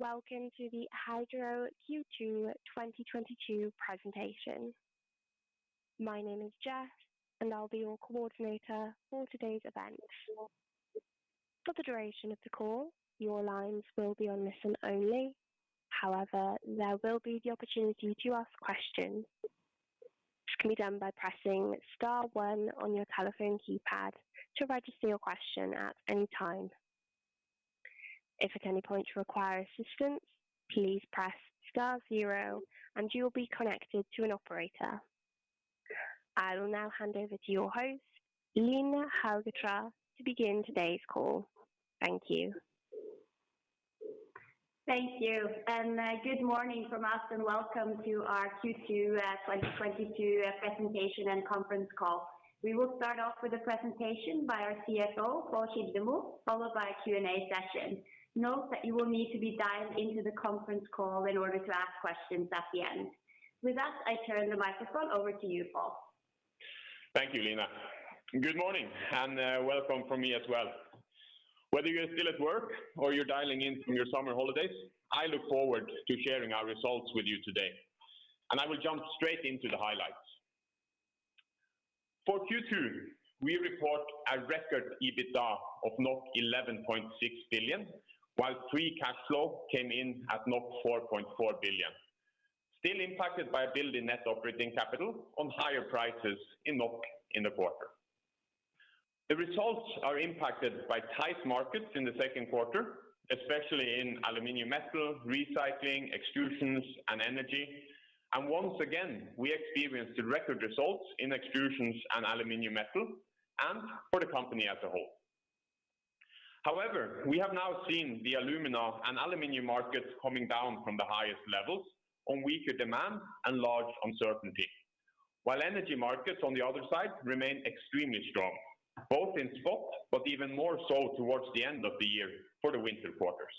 Welcome to the Hydro Q2 2022 presentation. My name is Jess, and I'll be your coordinator for today's event. For the duration of the call, your lines will be on listen only. However, there will be the opportunity to ask questions. This can be done by pressing star one on your telephone keypad to register your question at any time. If at any point you require assistance, please press star zero, and you will be connected to an operator. I will now hand over to your host, Lena Hackethal, to begin today's call. Thank you. Thank you. Good morning from us, and welcome to our Q2 2022 presentation and conference call. We will start off with a presentation by our CFO, Pål Kildemo, followed by a Q&A session. Note that you will need to be dialed into the conference call in order to ask questions at the end. With that, I turn the microphone over to you, Pål. Thank you, Lena. Good morning, and welcome from me as well. Whether you're still at work or you're dialing in from your summer holidays, I look forward to sharing our results with you today. I will jump straight into the highlights. For Q2, we report a record EBITDA of 11.6 billion, while free cash flow came in at 4.4 billion, still impacted by a build in net operating capital on higher prices in NOK in the quarter. The results are impacted by tight markets in the second quarter, especially in aluminum metal, recycling, extrusions, and energy. Once again, we experienced the record results in extrusions and aluminum metal and for the company as a whole. However, we have now seen the alumina and aluminum markets coming down from the highest levels on weaker demand and large uncertainty. While energy markets on the other side remain extremely strong, both in spot, but even more so towards the end of the year for the winter quarters.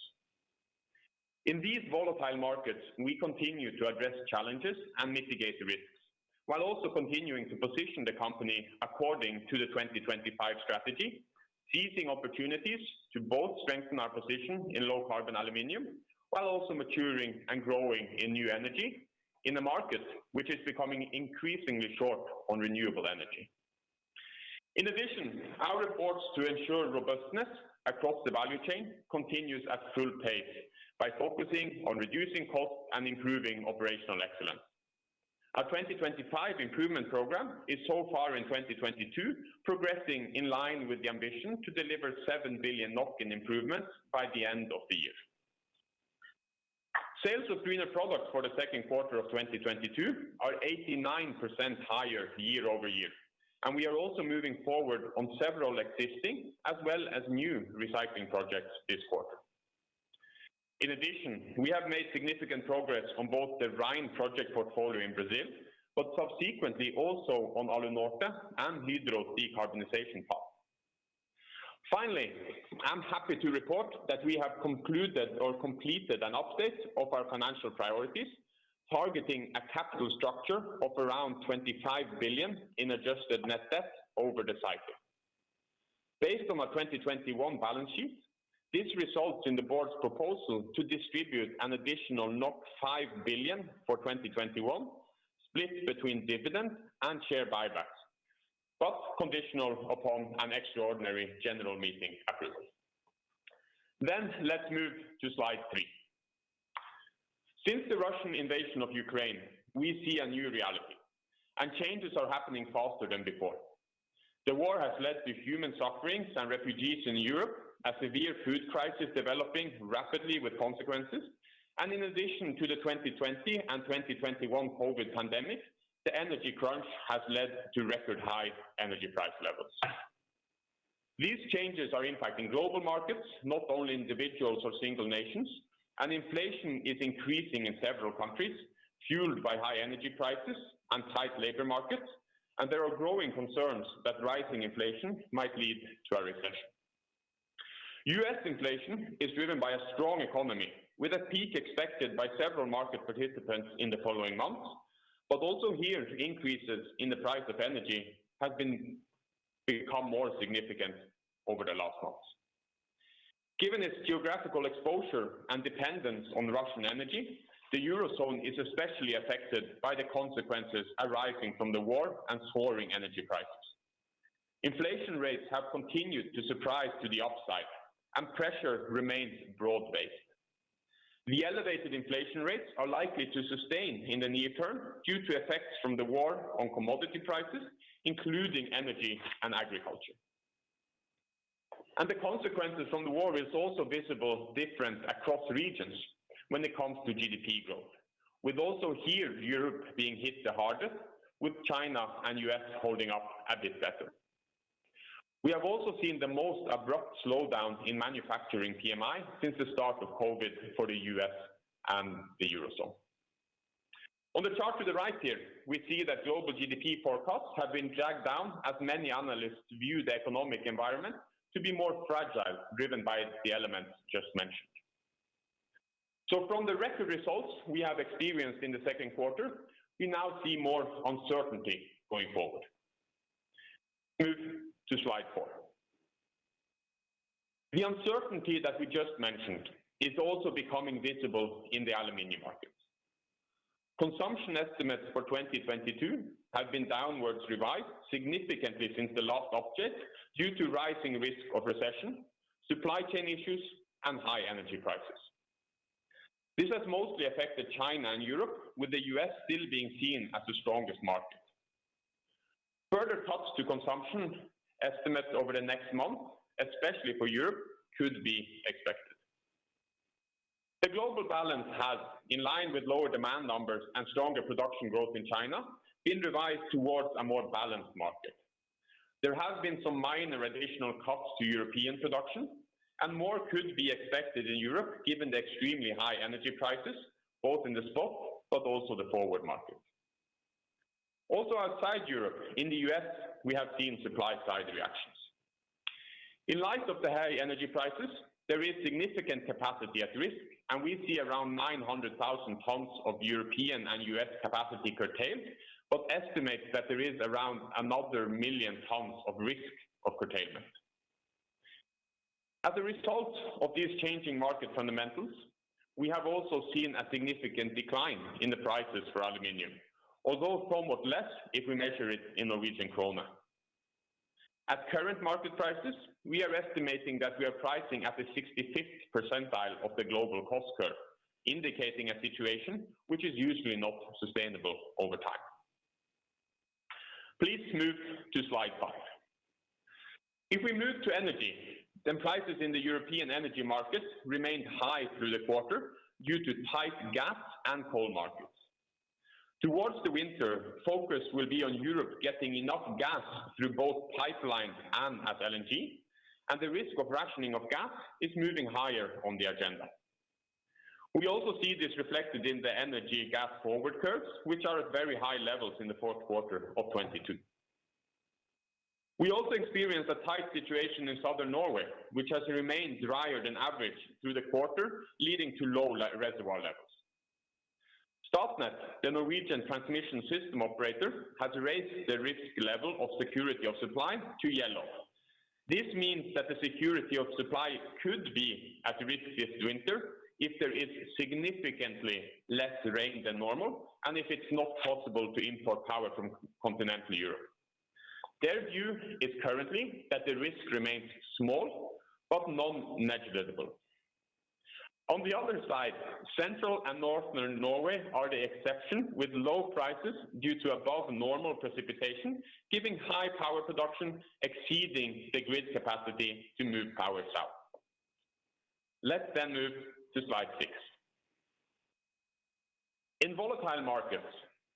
In these volatile markets, we continue to address challenges and mitigate risks, while also continuing to position the company according to the 2025 strategy, seizing opportunities to both strengthen our position in low carbon aluminum, while also maturing and growing in new energy in a market which is becoming increasingly short on renewable energy. In addition, our efforts to ensure robustness across the value chain continues at full pace by focusing on reducing cost and improving operational excellence. Our 2025 improvement program is so far in 2022 progressing in line with the ambition to deliver 7 billion in improvements by the end of the year. Sales of greener products for the second quarter of 2022 are 89% higher year-over-year, and we are also moving forward on several existing as well as new recycling projects this quarter. In addition, we have made significant progress on both the Rein project portfolio in Brazil, but subsequently also on Alunorte and Hydro's decarbonization path. Finally, I'm happy to report that we have concluded or completed an update of our financial priorities, targeting a capital structure of around 25 billion in adjusted net debt over the cycle. Based on our 2021 balance sheet, this results in the board's proposal to distribute an additional 5 billion for 2021, split between dividends and share buybacks, but conditional upon an extraordinary general meeting approval. Let's move to Slide 3. Since the Russian invasion of Ukraine, we see a new reality and changes are happening faster than before. The war has led to human sufferings and refugees in Europe, a severe food crisis developing rapidly with consequences. In addition to the 2020 and 2021 COVID pandemic, the energy crunch has led to record high energy price levels. These changes are impacting global markets, not only individuals or single nations, and inflation is increasing in several countries, fueled by high energy prices and tight labor markets, and there are growing concerns that rising inflation might lead to a recession. U.S. inflation is driven by a strong economy with a peak expected by several market participants in the following months. Also here, increases in the price of energy have become more significant over the last months. Given its geographical exposure and dependence on Russian energy, the Eurozone is especially affected by the consequences arising from the war and soaring energy prices. Inflation rates have continued to surprise to the upside, and pressure remains broad-based. The elevated inflation rates are likely to sustain in the near term due to effects from the war on commodity prices, including energy and agriculture. The consequences from the war is also visibly different across regions when it comes to GDP growth, with also here Europe being hit the hardest, with China and U.S. holding up a bit better. We have also seen the most abrupt slowdown in manufacturing PMI since the start of COVID for the U.S. and the Eurozone. On the chart to the right here, we see that global GDP forecasts have been dragged down as many analysts view the economic environment to be more fragile, driven by the elements just mentioned. From the record results we have experienced in the second quarter, we now see more uncertainty going forward. Move to Slide 4. The uncertainty that we just mentioned is also becoming visible in the aluminum markets. Consumption estimates for 2022 have been downwards revised significantly since the last update due to rising risk of recession, supply chain issues, and high energy prices. This has mostly affected China and Europe, with the U.S. still being seen as the strongest market. Further cuts to consumption estimates over the next month, especially for Europe, could be expected. The global balance has, in line with lower demand numbers and stronger production growth in China, been revised towards a more balanced market. There have been some minor additional cuts to European production, and more could be expected in Europe, given the extremely high energy prices, both in the spot, but also the forward market. Also outside Europe, in the U.S., we have seen supply side reactions. In light of the high energy prices, there is significant capacity at risk, and we see around 900,000 tons of European and U.S. capacity curtailed, but estimates that there is around another 1,000,000 tons of risk of curtailment. As a result of these changing market fundamentals, we have also seen a significant decline in the prices for aluminum, although somewhat less if we measure it in Norwegian krone. At current market prices, we are estimating that we are pricing at the 65th percentile of the global cost curve, indicating a situation which is usually not sustainable over time. Please move to Slide 5. If we move to energy, then prices in the European energy markets remained high through the quarter due to tight gas and coal markets. Towards the winter, focus will be on Europe getting enough gas through both pipelines and as LNG, and the risk of rationing of gas is moving higher on the agenda. We also see this reflected in the energy gas forward curves, which are at very high levels in the fourth quarter of 2022. We also experienced a tight situation in southern Norway, which has remained drier than average through the quarter, leading to low reservoir levels. Statnett, the Norwegian transmission system operator, has raised the risk level of security of supply to yellow. This means that the security of supply could be at risk this winter if there is significantly less rain than normal and if it's not possible to import power from continental Europe. Their view is currently that the risk remains small but non-negligible. On the other side, Central and Northern Norway are the exception, with low prices due to above normal precipitation, giving high power production exceeding the grid capacity to move power south. Let's move to Slide 6. In volatile markets,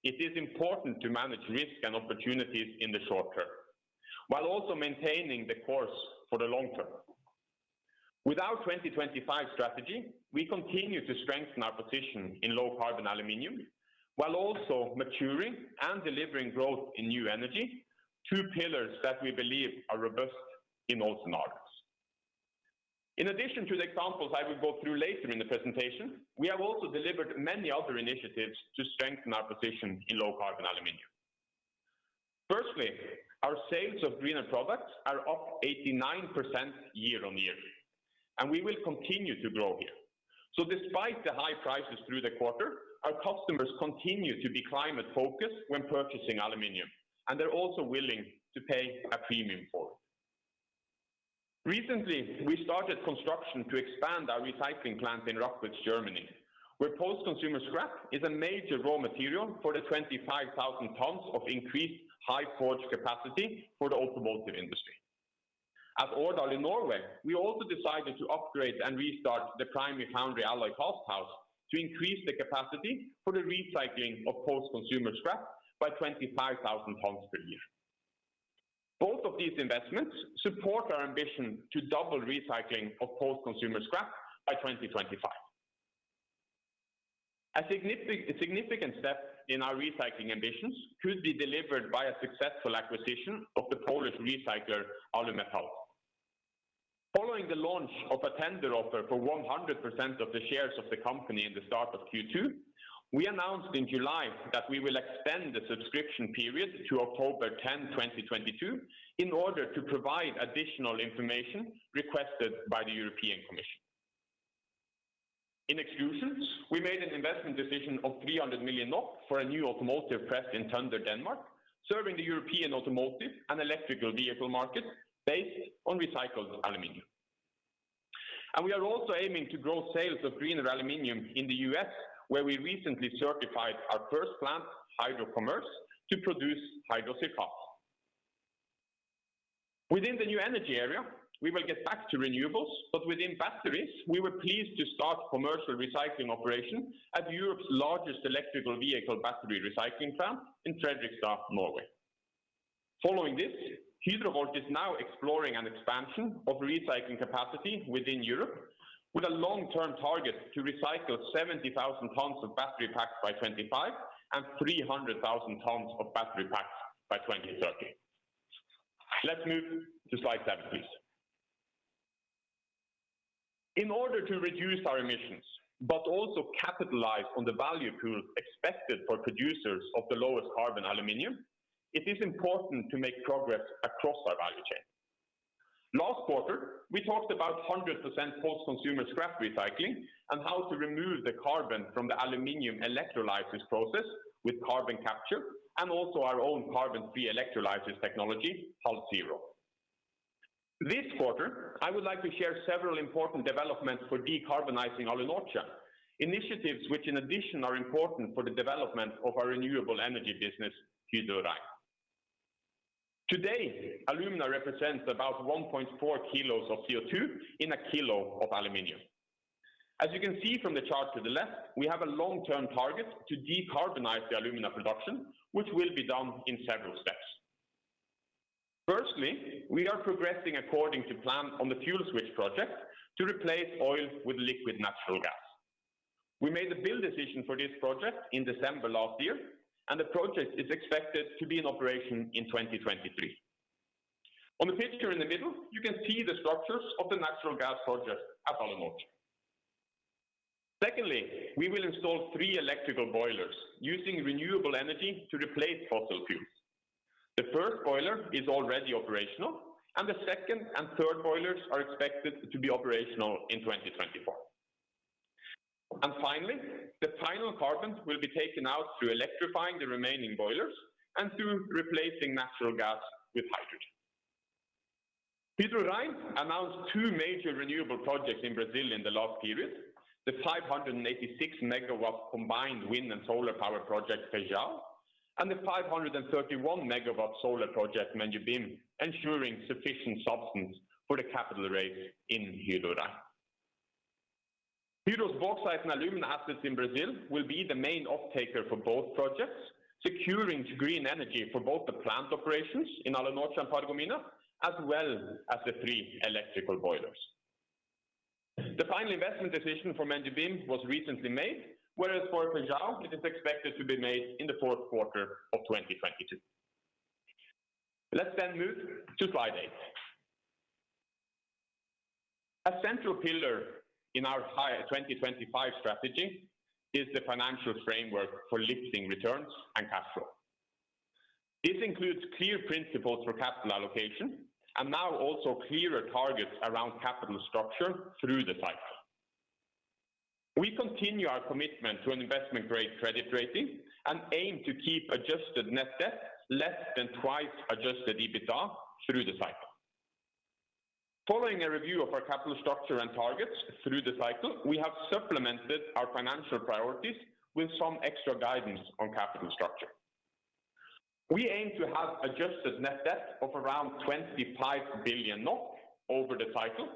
it is important to manage risk and opportunities in the short term while also maintaining the course for the long term. With our 2025 strategy, we continue to strengthen our position in low carbon aluminum while also maturing and delivering growth in new energy, two pillars that we believe are robust in all scenarios. In addition to the examples I will go through later in the presentation, we have also delivered many other initiatives to strengthen our position in low carbon aluminum. Firstly, our sales of greener products are up 89% year on year, and we will continue to grow here. Despite the high prices through the quarter, our customers continue to be climate focused when purchasing aluminum, and they're also willing to pay a premium for it. Recently, we started construction to expand our recycling plant in Rackwitz, Germany, where post-consumer scrap is a major raw material for the 25,000 tons of increased high forge capacity for the automotive industry. At Årdal in Norway, we also decided to upgrade and restart the primary foundry alloy cast house to increase the capacity for the recycling of post-consumer scrap by 25,000 tons per year. Both of these investments support our ambition to double recycling of post-consumer scrap by 2025. A significant step in our recycling ambitions could be delivered by a successful acquisition of the Polish recycler Alumetal. Following the launch of a tender offer for 100% of the shares of the company in the start of Q2, we announced in July that we will extend the subscription period to October 10, 2022 in order to provide additional information requested by the European Commission. In Extrusions, we made an investment decision of 300 million for a new automotive press in Tønder, Denmark, serving the European automotive and electric vehicle market based on recycled aluminum. We are also aiming to grow sales of greener aluminum in the U.S., where we recently certified our first plant, Hydro Commerce, to produce Hydro CIRCAL. Within the new energy area, we will get back to renewables, but within batteries, we were pleased to start commercial recycling operation at Europe's largest electric vehicle battery recycling plant in Fredrikstad, Norway. Following this, Hydro Volt is now exploring an expansion of recycling capacity within Europe with a long-term target to recycle 70,000 tons of battery packs by 2025 and 300,000 tons of battery packs by 2030. Let's move to Slide 7, please. In order to reduce our emissions, but also capitalize on the value pool expected for producers of the lowest carbon aluminum, it is important to make progress across our value chain. Last quarter, we talked about 100% post-consumer scrap recycling and how to remove the carbon from the aluminum electrolysis process with carbon capture and also our own carbon-free electrolysis technology, HalZero. This quarter, I would like to share several important developments for decarbonizing Alunorte, initiatives which in addition are important for the development of our renewable energy business, Hydro Rein. Today, alumina represents about 1.4 kilos of CO2 in a kilo of aluminum. As you can see from the chart to the left, we have a long-term target to decarbonize the alumina production, which will be done in several steps. Firstly, we are progressing according to plan on the fuel switch project to replace oil with liquid natural gas. We made the build decision for this project in December last year, and the project is expected to be in operation in 2023. On the picture in the middle, you can see the structures of the natural gas project at Alunorte. Secondly, we will install three electrical boilers using renewable energy to replace fossil fuels. The first boiler is already operational, and the second and third boilers are expected to be operational in 2024. Finally, the final carbon will be taken out through electrifying the remaining boilers and through replacing natural gas with hydrogen. Hydro Rein announced two major renewable projects in Brazil in the last period, the 586 MW combined wind and solar power project Feijão, and the 531 MW solar project Mendubim, ensuring sufficient substance for the capital raise in Hydro Rein. Hydro's bauxite and alumina assets in Brazil will be the main off-taker for both projects, securing green energy for both the plant operations in Alunorte and Paragominas, as well as the three electrical boilers. The final investment decision for Mendubim was recently made, whereas for Feijão, it is expected to be made in the fourth quarter of 2022. Let's then move to Slide 8. A central pillar in our Hydro 25 strategy is the financial framework for lifting returns and cash flow. This includes clear principles for capital allocation and now also clearer targets around capital structure through the cycle. We continue our commitment to an investment-grade credit rating and aim to keep adjusted net debt less than twice adjusted EBITDA through the cycle. Following a review of our capital structure and targets through the cycle, we have supplemented our financial priorities with some extra guidance on capital structure. We aim to have adjusted net debt of around 25 billion over the cycle,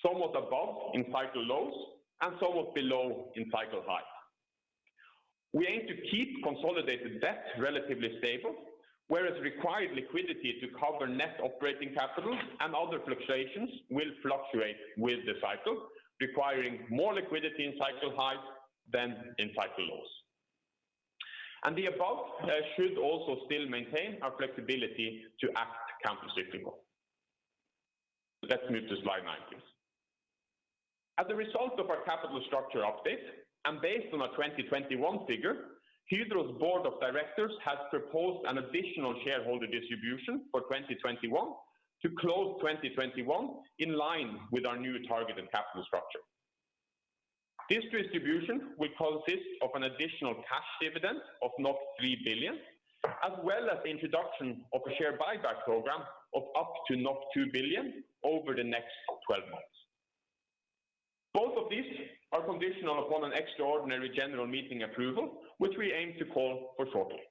somewhat above in cycle lows and somewhat below in cycle highs. We aim to keep consolidated debt relatively stable, whereas required liquidity to cover net operating capital and other fluctuations will fluctuate with the cycle, requiring more liquidity in cycle highs than in cycle lows. The above should also still maintain our flexibility to act countercyclical. Let's move to Slide 9, please. As a result of our capital structure update and based on our 2021 figure, Hydro's board of directors has proposed an additional shareholder distribution for 2021 to close 2021 in line with our new target and capital structure. This distribution will consist of an additional cash dividend of 3 billion as well as the introduction of a share buyback program of up to 2 billion over the next 12 months. Both of these are conditional upon an extraordinary general meeting approval, which we aim to call for shortly.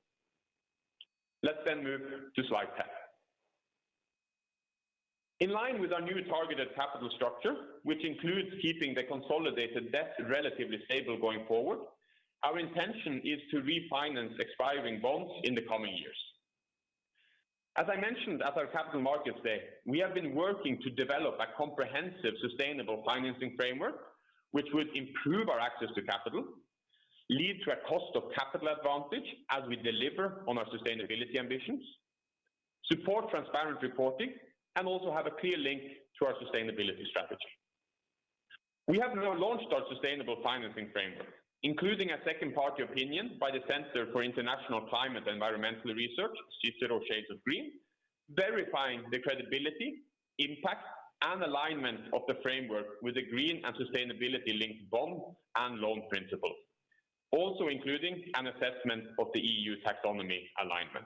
Let's move to Slide 10. In line with our new targeted capital structure, which includes keeping the consolidated debt relatively stable going forward, our intention is to refinance expiring bonds in the coming years. As I mentioned at our Capital Markets Day, we have been working to develop a comprehensive sustainable financing framework, which will improve our access to capital, lead to a cost of capital advantage as we deliver on our sustainability ambitions, support transparent reporting, and also have a clear link to our sustainability strategy. We have now launched our sustainable financing framework, including a second-party opinion by the Center for International Climate and Environmental Research, CICERO Shades of Green, verifying the credibility, impact, and alignment of the framework with the green and sustainability-linked bond and loan principles, also including an assessment of the EU taxonomy alignment.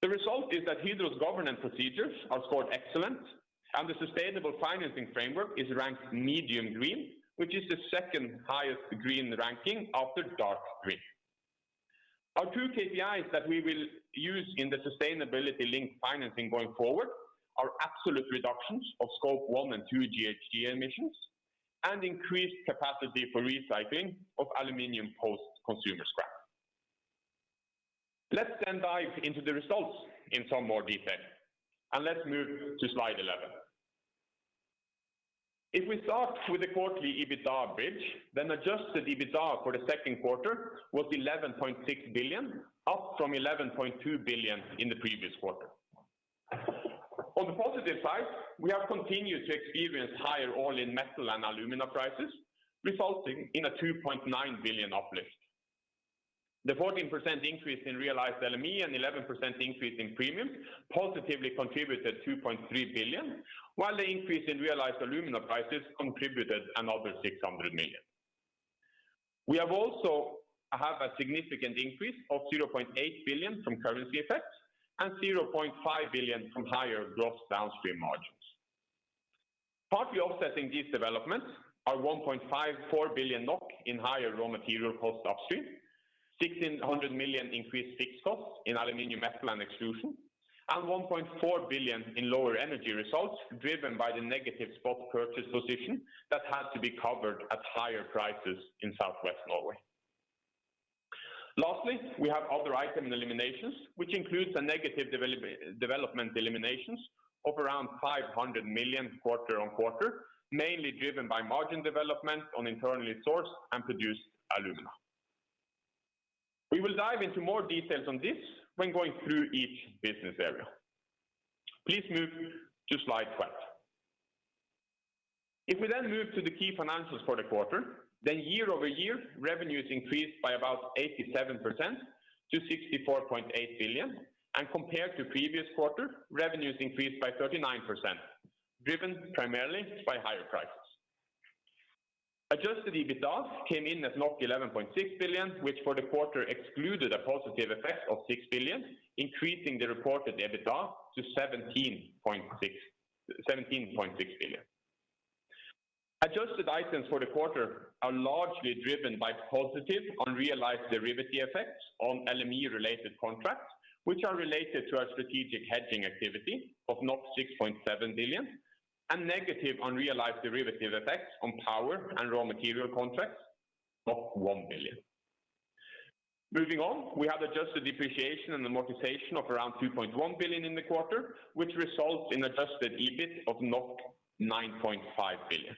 The result is that Hydro's governance procedures are scored excellent, and the sustainable financing framework is ranked medium green, which is the second highest green ranking after dark green. Our two KPIs that we will use in the sustainability-linked financing going forward are absolute reductions of Scope 1 and 2 GHG emissions and increased capacity for recycling of aluminum post-consumer scrap. Let's then dive into the results in some more detail, and let's move to Slide 11. If we start with the quarterly EBITDA bridge, then adjusted EBITDA for the second quarter was 11.6 billion, up from 11.2 billion in the previous quarter. On the positive side, we have continued to experience higher all-in metal and alumina prices, resulting in a 2.9 billion uplift. The 14% increase in realized LME and 11% increase in premium positively contributed 2.3 billion, while the increase in realized alumina prices contributed another 600 million. We have also a significant increase of 0.8 billion from currency effects and 0.5 billion from higher gross downstream margins. Partly offsetting these developments are 1.54 billion NOK in higher raw material cost upstream, 1,600 million increased fixed costs in aluminum metal and extrusion, and 1.4 billion in lower energy results, driven by the negative spot purchase position that had to be covered at higher prices in Southwest Norway. Lastly, we have other item eliminations, which includes a negative development eliminations of around 500 million quarter-over-quarter, mainly driven by margin development on internally sourced and produced alumina. We will dive into more details on this when going through each business area. Please move to Slide 12. If we move to the key financials for the quarter, year-over-year revenues increased by about 87% to 64.8 billion, and compared to previous quarter, revenues increased by 39%, driven primarily by higher prices. Adjusted EBITDA came in at 11.6 billion, which for the quarter excluded a positive effect of 6 billion, increasing the reported EBITDA to 17.6 billion. Adjusted items for the quarter are largely driven by positive unrealized derivative effects on LME-related contracts, which are related to our strategic hedging activity of 6.7 billion and negative unrealized derivative effects on power and raw material contracts of 1 billion. Moving on, we have adjusted depreciation and amortization of around 2.1 billion in the quarter, which results in adjusted EBIT of 9.5 billion.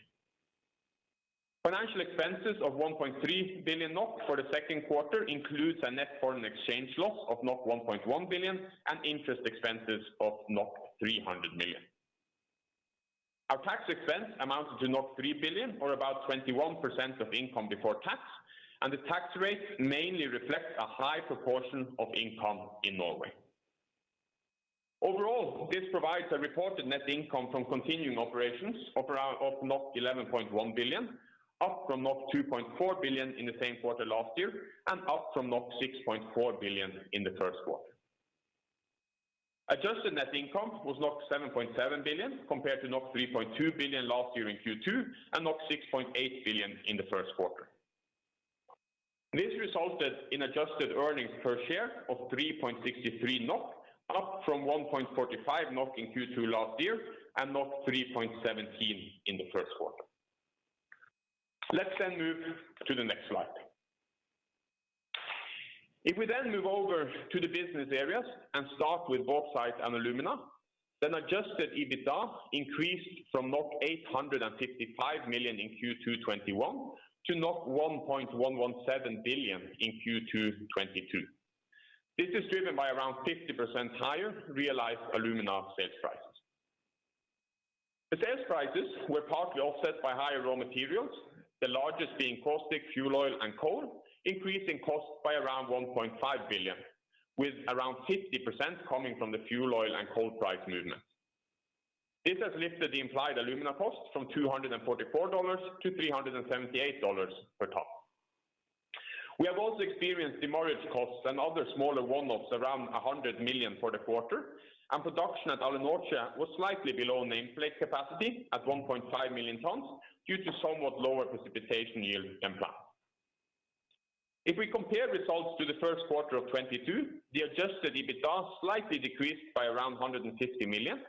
Financial expenses of 1.3 billion NOK for the second quarter includes a net foreign exchange loss of 1.1 billion and interest expenses of 300 million. Our tax expense amounted to 3 billion, or about 21% of income before tax, and the tax rate mainly reflects a high proportion of income in Norway. Overall, this provides a reported net income from continuing operations of around 11.1 billion, up from 2.4 billion in the same quarter last year and up from 6.4 billion in the first quarter. Adjusted net income was 7.7 billion compared to 3.2 billion last year in Q2 and 6.8 billion in the first quarter. This resulted in adjusted earnings per share of 3.63 NOK, up from 1.45 NOK in Q2 2021 and 3.17 NOK in the first quarter. Let's move to the next slide. If we move over to the business areas and start with bauxite and alumina, adjusted EBITDA increased from 855 million in Q2 2021 to 1.117 billion in Q2 2022. This is driven by around 50% higher realized alumina sales prices. The sales prices were partly offset by higher raw materials, the largest being caustic, fuel oil and coal, increasing costs by around 1.5 billion, with around 50% coming from the fuel oil and coal price movement. This has lifted the implied alumina cost from $244-$378 per ton. We have also experienced demurrage costs and other smaller one-offs around 100 million for the quarter, and production at Alunorte was slightly below nameplate capacity at 1.5 million tons due to somewhat lower precipitation yield than planned. If we compare results to the first quarter of 2022, the adjusted EBITDA slightly decreased by around 150 million.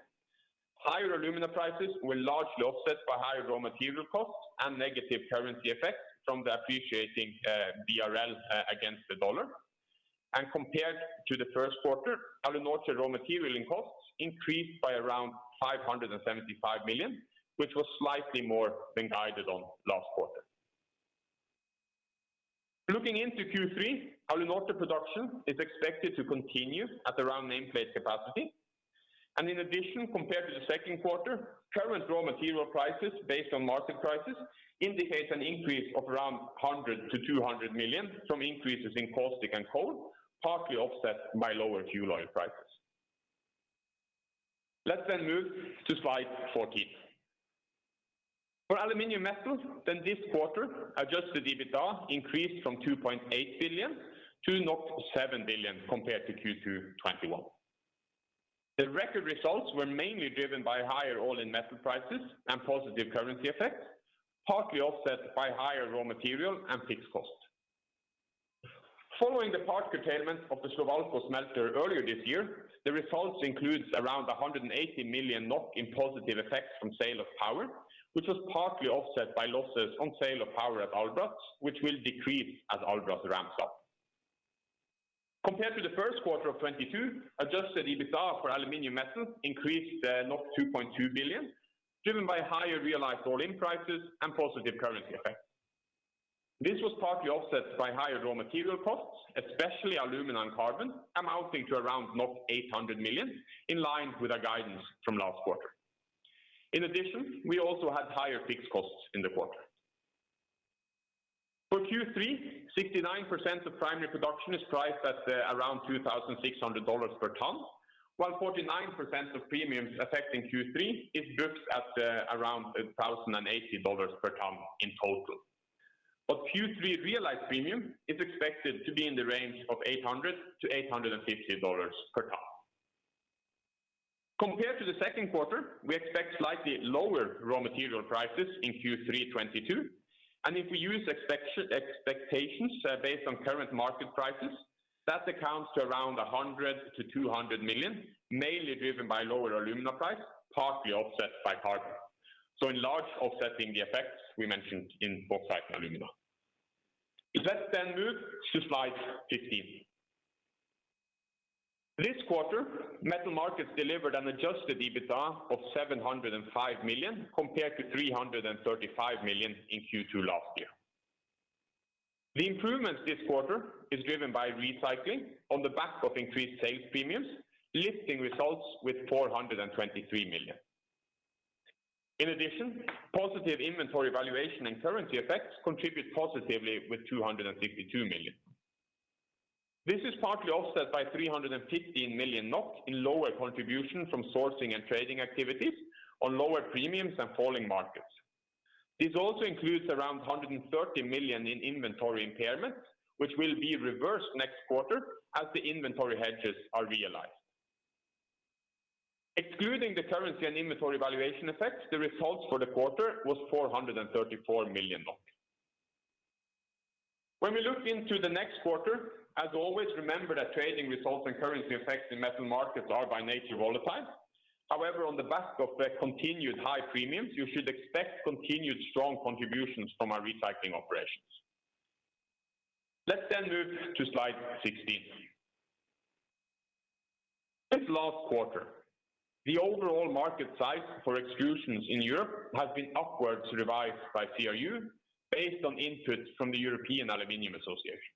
Higher alumina prices were largely offset by higher raw material costs and negative currency effects from the appreciating BRL against the dollar. Compared to the first quarter, Alunorte raw material and costs increased by around 575 million, which was slightly more than guided on last quarter. Looking into Q3, Alunorte production is expected to continue at around nameplate capacity. In addition, compared to the second quarter, current raw material prices based on market prices indicate an increase of around 100-200 million from increases in caustic and coal, partly offset by lower fuel oil prices. Let's then move to Slide 14. For aluminum metal, then this quarter, adjusted EBITDA increased from 2.8 billion-7 billion compared to Q2 2021. The record results were mainly driven by higher all-in metal prices and positive currency effects, partly offset by higher raw material and fixed costs. Following the partial curtailment of the Slovalco smelter earlier this year, the results include around 180 million NOK in positive effects from sale of power, which was partly offset by losses on sale of power at Albras, which will decrease as Albras ramps up. Compared to the first quarter of 2022, adjusted EBITDA for aluminum metal increased 2.2 billion, driven by higher realized all-in prices and positive currency effects. This was partly offset by higher raw material costs, especially alumina and carbon, amounting to around 800 million, in line with our guidance from last quarter. In addition, we also had higher fixed costs in the quarter. For Q3, 69% of primary production is priced at around $2,600 per tonne, while 49% of premiums affecting Q3 is booked at around $1,080 per tonne in total. Q3 realized premium is expected to be in the range of $800-$850 per tonne. Compared to the second quarter, we expect slightly lower raw material prices in Q3 2022. If we use expectations, based on current market prices, that amounts to around 100-200 million, mainly driven by lower alumina price, partly offset by carbon. In large part offsetting the effects we mentioned in bauxite and alumina. Let's move to Slide 15. This quarter, metal markets delivered an adjusted EBITDA of 705 million compared to 335 million in Q2 last year. The improvements this quarter is driven by recycling on the back of increased sales premiums, lifting results with 423 million. In addition, positive inventory valuation and currency effects contribute positively with 252 million. This is partly offset by 315 million in lower contribution from sourcing and trading activities on lower premiums and falling markets. This also includes around 130 million in inventory impairments, which will be reversed next quarter as the inventory hedges are realized. Excluding the currency and inventory valuation effects, the results for the quarter was 434 million. When we look into the next quarter, as always, remember that trading results and currency effects in metal markets are by nature volatile. However, on the back of the continued high premiums, you should expect continued strong contributions from our recycling operations. Let's then move to Slide 16. Since last quarter, the overall market size for extrusions in Europe has been upwards revised by CRU based on inputs from the European Aluminium Association.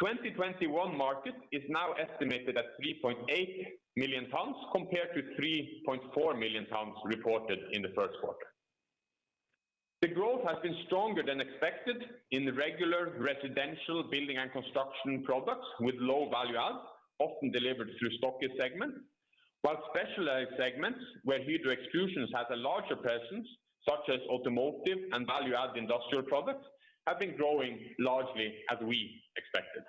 2021 market is now estimated at 3.8 million tons, compared to 3.4 million tons reported in the first quarter. The growth has been stronger than expected in the regular residential building and construction products with low value add, often delivered through stock segment, while specialized segments where Hydro Extrusions has a larger presence, such as automotive and value-added industrial products, have been growing largely as we expected.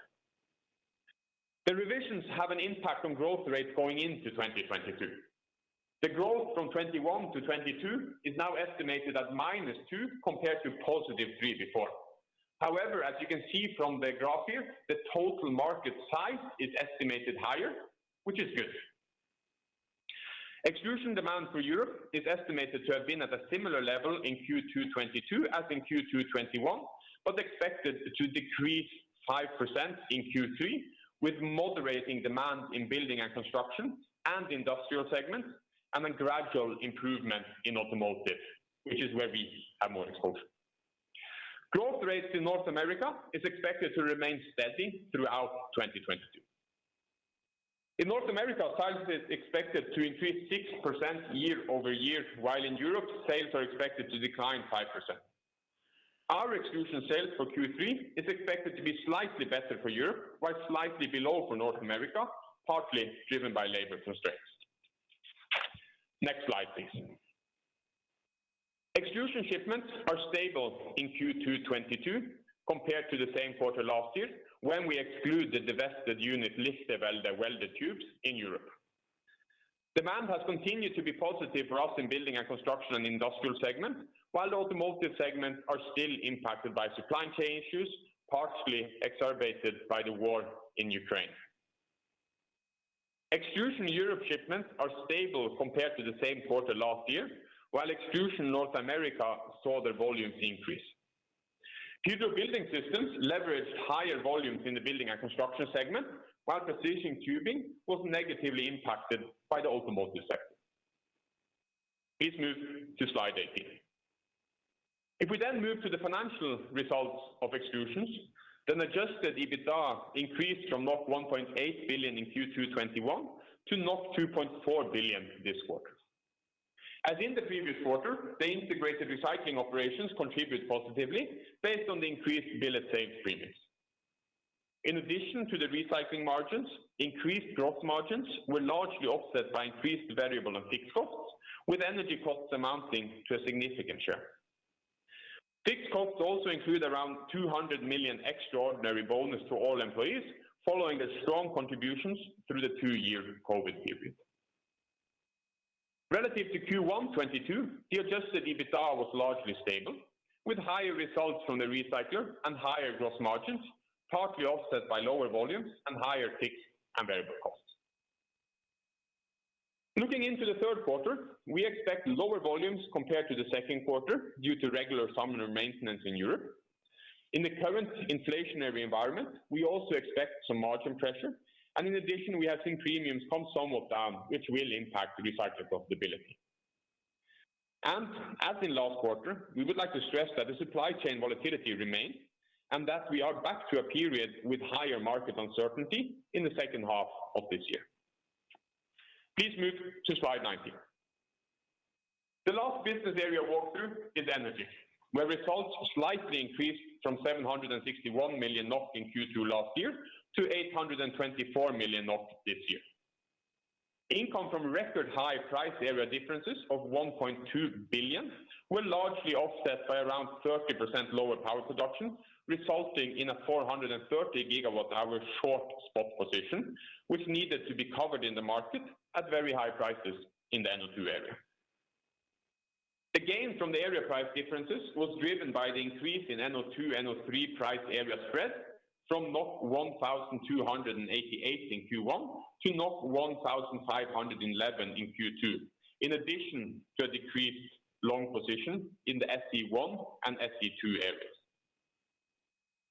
The revisions have an impact on growth rates going into 2022. The growth from 2021-2022 is now estimated at -2%, compared to +3% before. However, as you can see from the graph here, the total market size is estimated higher, which is good. Extrusion demand for Europe is estimated to have been at a similar level in Q2 2022 as in Q2 2021, but expected to decrease 5% in Q3, with moderating demand in building and construction and industrial segments, and a gradual improvement in automotive, which is where we have more exposure. Growth rates in North America are expected to remain steady throughout 2022. In North America, sales are expected to increase 6% year-over-year, while in Europe, sales are expected to decline 5%. Our Extrusions sales for Q3 are expected to be slightly better for Europe, while slightly below for North America, partly driven by labor constraints. Next slide, please. Extrusions shipments are stable in Q2 2022 compared to the same quarter last year when we exclude the divested unit, Lister Welded Tubes in Europe. Demand has continued to be positive for us in building and construction and industrial segments, while the automotive segments are still impacted by supply chain issues, partially exacerbated by the war in Ukraine. Extrusions Europe shipments are stable compared to the same quarter last year, while Extrusions North America saw their volumes increase. Hydro Building Systems leveraged higher volumes in the building and construction segment, while Precision Tubing was negatively impacted by the automotive sector. Please move to Slide 18. If we then move to the financial results of Extrusions, adjusted EBITDA increased from 1.8 billion in Q2 2021 to 2.4 billion this quarter. As in the previous quarter, the integrated recycling operations contribute positively based on the increased billet sales premiums. In addition to the recycling margins, increased gross margins were largely offset by increased variable and fixed costs, with energy costs amounting to a significant share. Fixed costs also include around 200 million extraordinary bonus to all employees following the strong contributions through the two-year COVID period. Relative to Q1 2022, the adjusted EBITDA was largely stable, with higher results from the recycler and higher gross margins, partly offset by lower volumes and higher fixed and variable costs. Looking into the third quarter, we expect lower volumes compared to the second quarter due to regular summer maintenance in Europe. In the current inflationary environment, we also expect some margin pressure. In addition, we have seen premiums come somewhat down, which will impact the recycler profitability. As in last quarter, we would like to stress that the supply chain volatility remains, and that we are back to a period with higher market uncertainty in the second half of this year. Please move to Slide 19. The last business area walkthrough is energy, where results slightly increased from 761 million NOK in Q2 last year to 824 million NOK this year. Income from record high price area differences of 1.2 billion were largely offset by around 30% lower power production, resulting in a 430 GWh short spot position, which needed to be covered in the market at very high prices in the NO2 area. The gain from the area price differences was driven by the increase in NO2-NO3 price area spread from 1,288 in Q1-NOK 1,511 in Q2. In addition to a decreased long position in the SE1 and SE2 areas.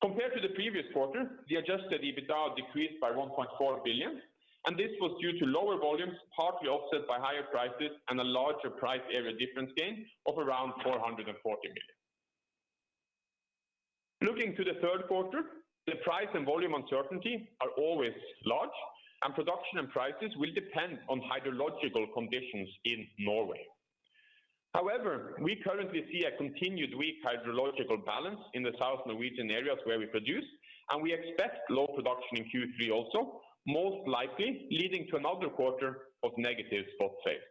Compared to the previous quarter, the adjusted EBITDA decreased by 1.4 billion, and this was due to lower volumes, partly offset by higher prices and a larger price area difference gain of around 440 million. Looking to the third quarter, the price and volume uncertainty are always large, and production and prices will depend on hydrological conditions in Norway. However, we currently see a continued weak hydrological balance in the South Norwegian areas where we produce, and we expect low production in Q3 also, most likely leading to another quarter of negative spot sales.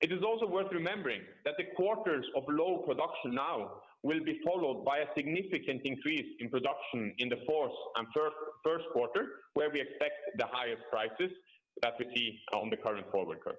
It is also worth remembering that the quarters of low production now will be followed by a significant increase in production in the fourth and first quarter, where we expect the highest prices that we see on the current forward curves.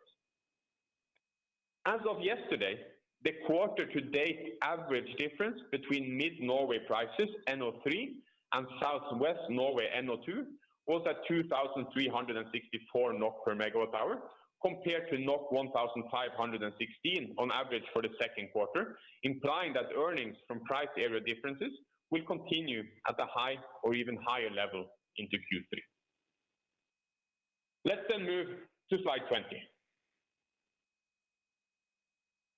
As of yesterday, the quarter-to-date average difference between mid Norway prices, NO3, and South West Norway, NO2, was at 2,364 NOK MWh compared to 1,516 on average for the second quarter, implying that earnings from price area differences will continue at a high or even higher level into Q3. Let's move to Slide 20.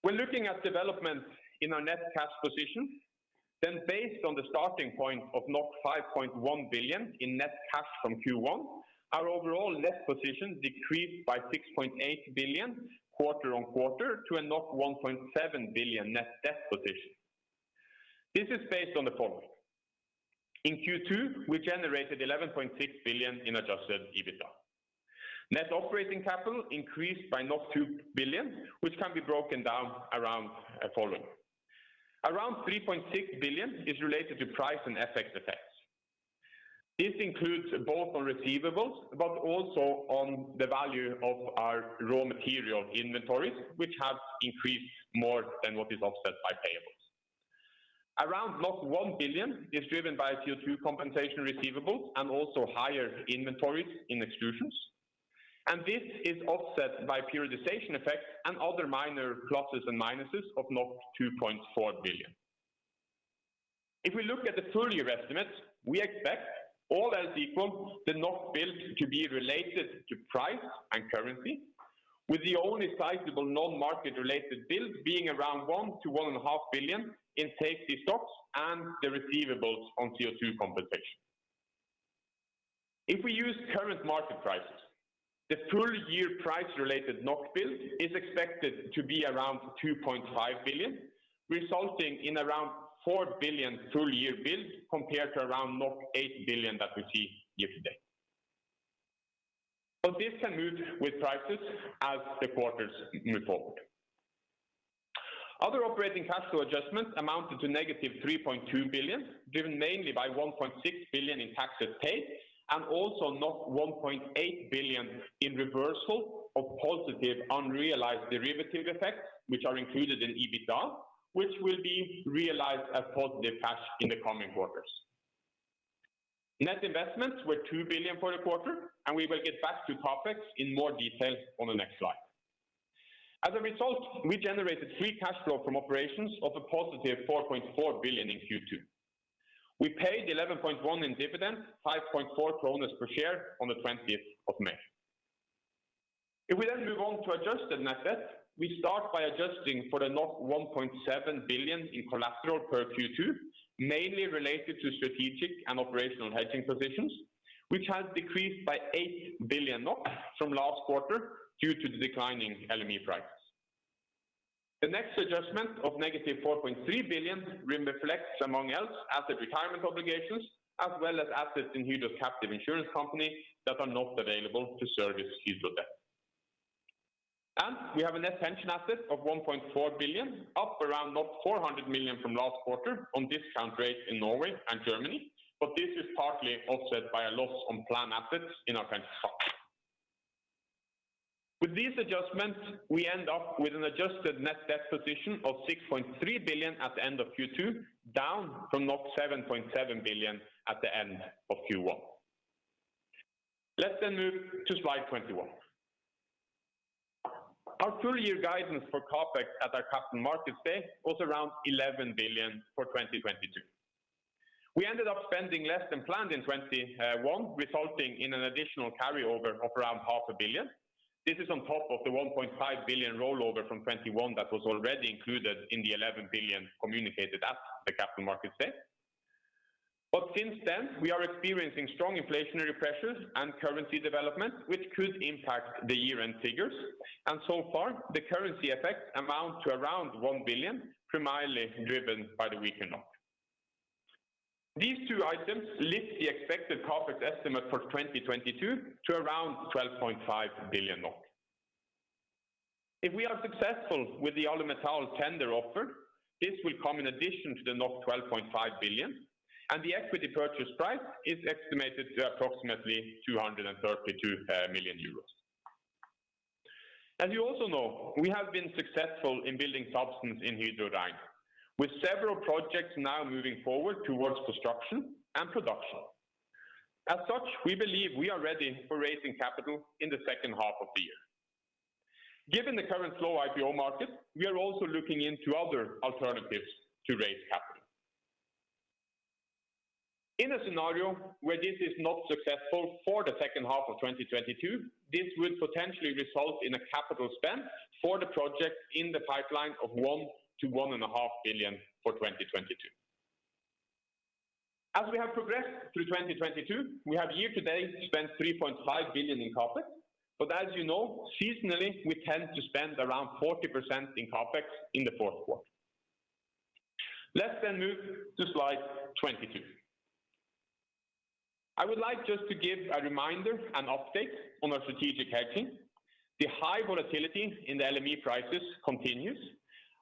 When looking at developments in our net cash position, based on the starting point of 5.1 billion in net cash from Q1, our overall net position decreased by 6.8 billion quarter on quarter to a 1.7 billion net debt position. This is based on the following. In Q2, we generated 11.6 billion in adjusted EBITDA. Net operating capital increased by 2 billion, which can be broken down around the following. Around 3.6 billion is related to price and FX effects. This includes both on receivables, but also on the value of our raw material inventories, which have increased more than what is offset by payables. Around 1 billion is driven by CO2 compensation receivables and also higher inventories in extrusions. This is offset by periodization effects and other minor pluses and minuses of 2.4 billion. If we look at the full year estimates, we expect all else equal, the NOK build to be related to price and currency, with the only sizable non-market-related build being around 1 billion-1.5 billion in safety stocks and the receivables on CO2 compensation. If we use current market prices, the full-year price-related NOK build is expected to be around 2.5 billion, resulting in around 4 billion full-year build compared to around 8 billion that we see year to date. This can move with prices as the quarters move forward. Other operating cash flow adjustments amounted to negative 3.2 billion, driven mainly by 1.6 billion in taxes paid and also 1.8 billion in reversal of positive unrealized derivative effects, which are included in EBITDA, which will be realized as positive cash in the coming quarters. Net investments were 2 billion for the quarter, and we will get back to CapEx in more detail on the next slide. As a result, we generated free cash flow from operations of a positive 4.4 billion in Q2. We paid 11.1 billion in dividends, 5.4 per share on the 20th of May. If we then move on to adjusted net debt, we start by adjusting for the 1.7 billion in collateral per Q2, mainly related to strategic and operational hedging positions, which has decreased by 8 billion NOK from last quarter due to the declining LME prices. The next adjustment of -4.3 billion reflects, among other, asset retirement obligations as well as assets in Hydro's captive insurance company that are not available to service Hydro debt. We have a net pension asset of 1.4 billion, up around 400 million from last quarter on discount rates in Norway and Germany. This is partly offset by a loss on plan assets in our pension fund. With these adjustments, we end up with an adjusted net debt position of 6.3 billion at the end of Q2, down from 7.7 billion at the end of Q1. Let's then move to Slide 21. Our full-year guidance for CapEx at our capital markets day was around 11 billion for 2022. We ended up spending less than planned in 2021, resulting in an additional carryover of around half a billion. This is on top of the 1.5 billion rollover from 2021 that was already included in the 11 billion communicated at the capital markets day. Since then, we are experiencing strong inflationary pressures and currency development which could impact the year-end figures. So far, the currency effects amount to around 1 billion, primarily driven by the weaker NOK. These two items lift the expected CapEx estimate for 2022 to around 12.5 billion. If we are successful with the Alumetal tender offer, this will come in addition to the 12.5 billion, and the equity purchase price is estimated to approximately 232 million euros. As you also know, we have been successful in building substance in Hydro Rein, with several projects now moving forward towards construction and production. As such, we believe we are ready for raising capital in the second half of the year. Given the current slow IPO market, we are also looking into other alternatives to raise capital. In a scenario where this is not successful for the second half of 2022, this would potentially result in a capital spend for the project in the pipeline of 1 billion-1.5 billion for 2022. As we have progressed through 2022, we have year to date spent 3.5 billion in CapEx, but as you know, seasonally, we tend to spend around 40% in CapEx in the fourth quarter. Let's move to Slide 22. I would like just to give a reminder and update on our strategic hedging. The high volatility in the LME prices continues,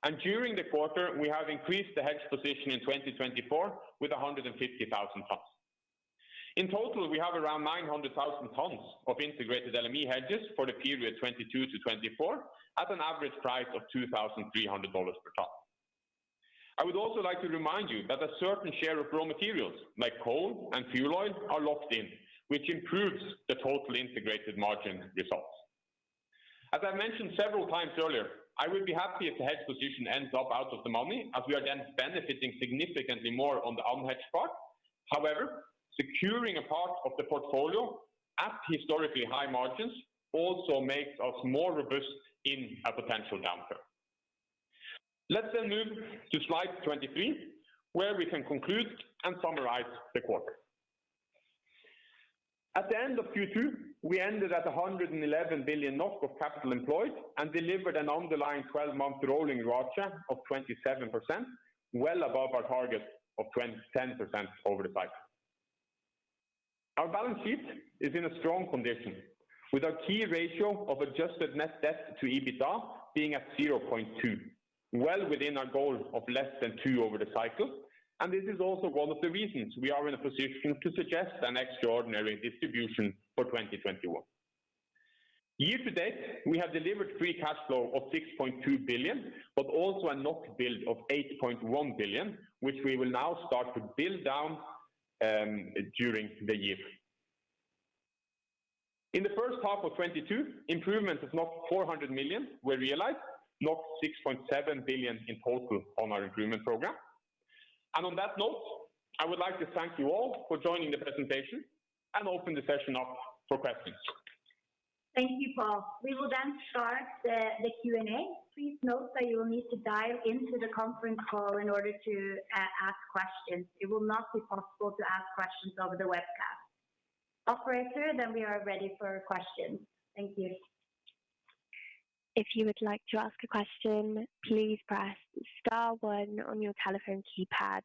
and during the quarter, we have increased the hedge position in 2024 with 150,000 tons. In total, we have around 900,000 tons of integrated LME hedges for the period 2022-2024 at an average price of $2,300 per ton. I would also like to remind you that a certain share of raw materials, like coal and fuel oil are locked in, which improves the total integrated margin results. As I mentioned several times earlier, I will be happy if the hedge position ends up out of the money as we are then benefiting significantly more on the unhedged part. However, securing a part of the portfolio at historically high margins also makes us more robust in a potential downturn. Let's move to Slide 23, where we can conclude and summarize the quarter. At the end of Q2, we ended at 111 billion NOK of capital employed and delivered an underlying twelve-month rolling ROACE of 27%, well above our target of 10% over the cycle. Our balance sheet is in a strong condition, with our key ratio of adjusted net debt to EBITDA being at 0.2%, well within our goal of less than two over the cycle. This is also one of the reasons we are in a position to suggest an extraordinary distribution for 2021. Year to date, we have delivered free cash flow of 6.2 billion, but also a NOK build of 8.1 billion, which we will now start to build down during the year. In the first half of 2022, improvements of 400 million were realized, 6.7 billion in total on our improvement program. On that note, I would like to thank you all for joining the presentation and open the session up for questions. Thank you, Pål. We will then start the Q&A. Please note that you will need to dial into the conference call in order to ask questions. It will not be possible to ask questions over the webcast. Operator, we are ready for questions. Thank you. If you would like to ask a question, please press star one on your telephone keypad.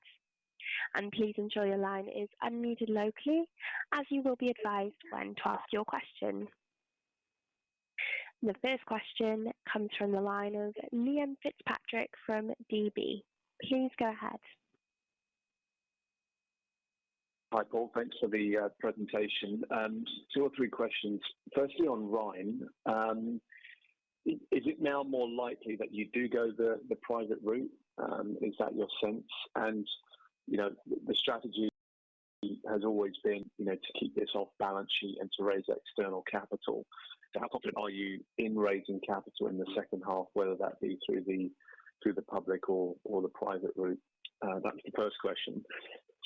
Please ensure your line is unmuted locally as you will be advised when to ask your question. The first question comes from the line of Liam Fitzpatrick from Deutsche Bank. Please go ahead. Hi, Pål. Thanks for the presentation. Two or three questions. Firstly, on Rein. Is it now more likely that you do go the private route? Is that your sense? You know, the strategy has always been, you know, to keep this off balance sheet and to raise external capital. How confident are you in raising capital in the second half, whether that be through the public or the private route? That's the first question.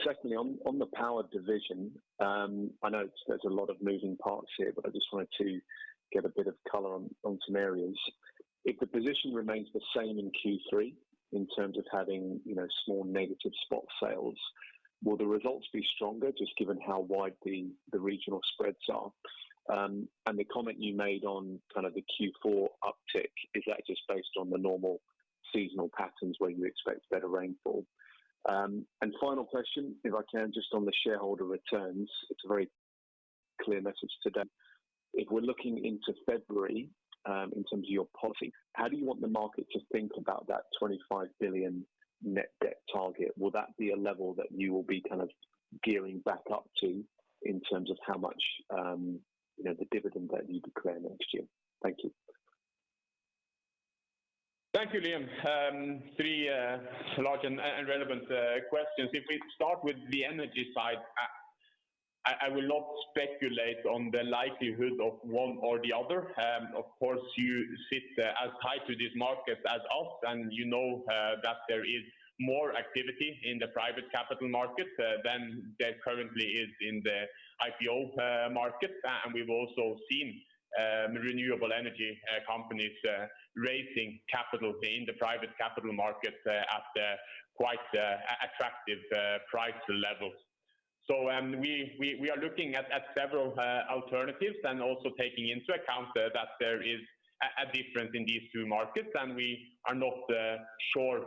Secondly, on the power division, I know there's a lot of moving parts here, but I just wanted to get a bit of color on some areas. If the position remains the same in Q3 in terms of having, you know, small negative spot sales, will the results be stronger just given how wide the regional spreads are? The comment you made on kind of the Q4 uptick, is that just based on the normal seasonal patterns where you expect better rainfall? Final question, if I can, just on the shareholder returns. It's a very clear message today. If we're looking into February, in terms of your policy, how do you want the market to think about that 25 billion net debt target? Will that be a level that you will be kind of gearing back up to in terms of how much, you know, the dividend that you declare next year? Thank you. Thank you, Liam. Three large and relevant questions. If we start with the energy side, I will not speculate on the likelihood of one or the other. Of course, you sit as tight to this market as us and you know that there is more activity in the private capital market than there currently is in the IPO market. We've also seen renewable energy companies raising capital in the private capital markets at quite attractive price levels. We are looking at several alternatives and also taking into account that there is a difference in these two markets, and we are not sure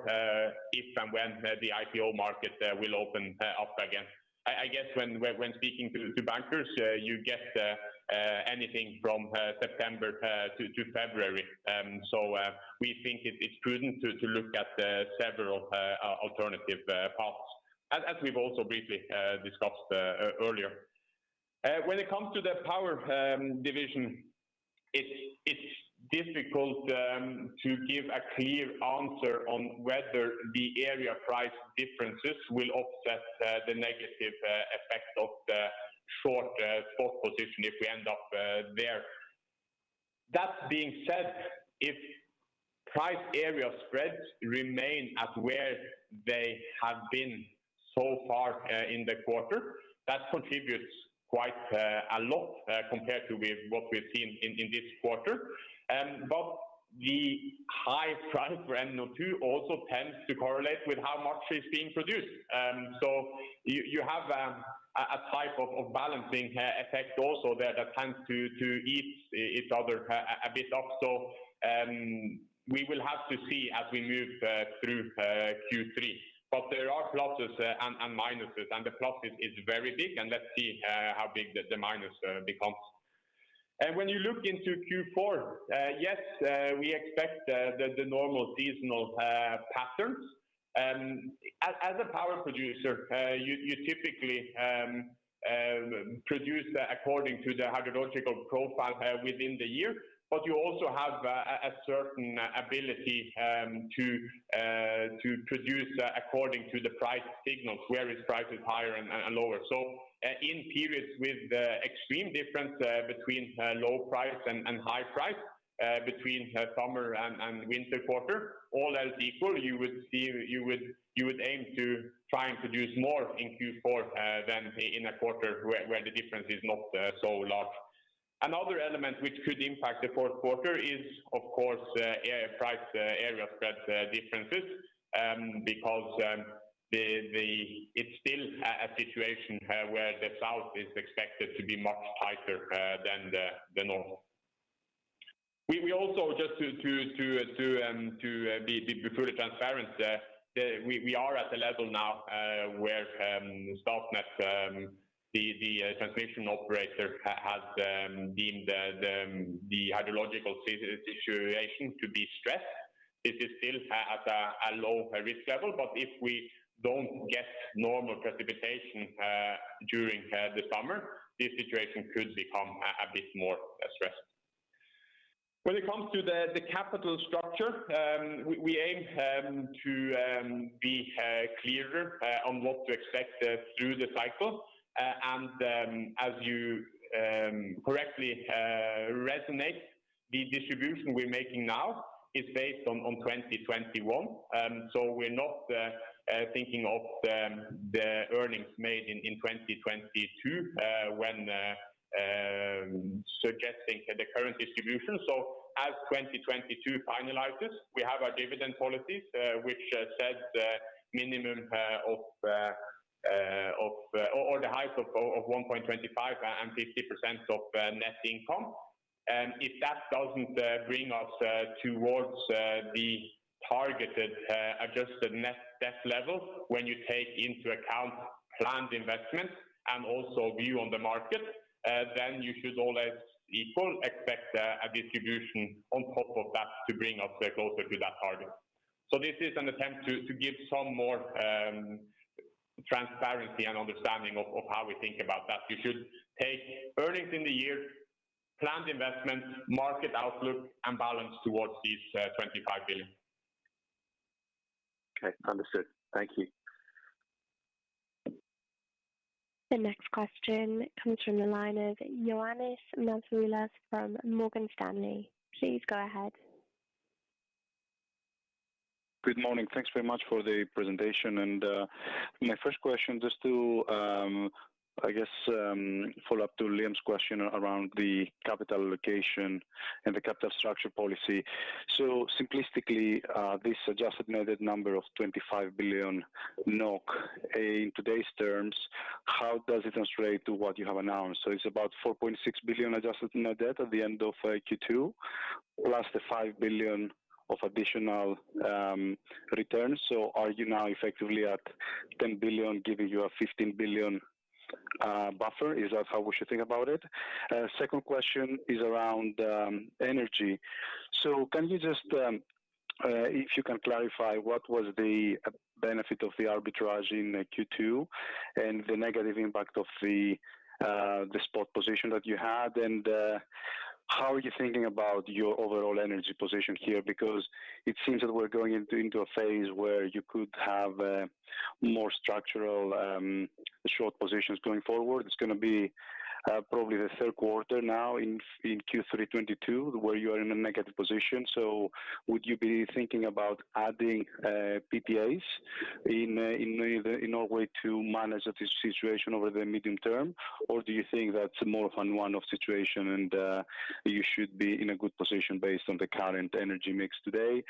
if and when the IPO market will open up again. I guess when speaking to bankers, you get anything from September to February. We think it's prudent to look at the several alternative paths, as we've also briefly discussed earlier. When it comes to the power division, it's difficult to give a clear answer on whether the area price differences will offset the negative effect of the short spot position if we end up there. That being said, if price area spreads remain at where they have been so far in the quarter, that contributes quite a lot compared to with what we've seen in this quarter. The high price for NO2 also tends to correlate with how much is being produced. You have a type of balancing effect also that tends to eat each other a bit up. We will have to see as we move through Q3. There are pluses and minuses, and the plus is very big, and let's see how big the minus becomes. When you look into Q4, yes, we expect the normal seasonal patterns. As a power producer, you typically produce according to the hydrological profile within the year. You also have a certain ability to produce according to the price signals, where prices are higher and lower. In periods with extreme difference between low price and high price between summer and winter quarter, all else equal, you would see. You would aim to try and produce more in Q4 than in a quarter where the difference is not so large. Another element which could impact the fourth quarter is, of course, price area spread differences, because the. It's still a situation where the south is expected to be much tighter than the north. We also just to be fully transparent, we are at a level now where Statnett, the transmission operator has, deemed the hydrological situation to be stressed. This is still at a low risk level, but if we don't get normal precipitation during the summer, this situation could become a bit more stressed. When it comes to the capital structure, we aim to be clearer on what to expect through the cycle. As you correctly noted, the distribution we're making now is based on 2021. So we're not thinking of the earnings made in 2022 when suggesting the current distribution. As 2022 finalizes, we have our dividend policies, which sets a minimum of or the height of 1.25% and 50% of net income. If that doesn't bring us towards the targeted adjusted net debt level when you take into account planned investments and also view on the market, then you should all else equal expect a distribution on top of that to bring us closer to that target. This is an attempt to give some more transparency and understanding of how we think about that. You should take earnings in the year, planned investments, market outlook, and balance towards these 25 billion. Okay. Understood. Thank you. The next question comes from the line of Ioannis Masvoulas from Morgan Stanley. Please go ahead. Good morning. Thanks very much for the presentation. My first question, just to, I guess, follow up to Liam's question around the capital allocation and the capital structure policy. Simplistically, this adjusted net debt number of 25 billion NOK in today's terms, how does it translate to what you have announced? It's about 4.6 billion adjusted net debt at the end of Q2, plus the 5 billion of additional returns. Are you now effectively at 10 billion, giving you a 15 billion buffer? Is that how we should think about it? Second question is around energy. Can you just if you can clarify what was the benefit of the arbitrage in Q2 and the negative impact of the spot position that you had and how are you thinking about your overall energy position here? Because it seems that we're going into a phase where you could have more structural short positions going forward. It's gonna be probably the third quarter now in Q3 2022 where you are in a negative position. Would you be thinking about adding PPAs in Norway to manage this situation over the medium term? Or do you think that's more of a one-off situation and you should be in a good position based on the current energy mix today?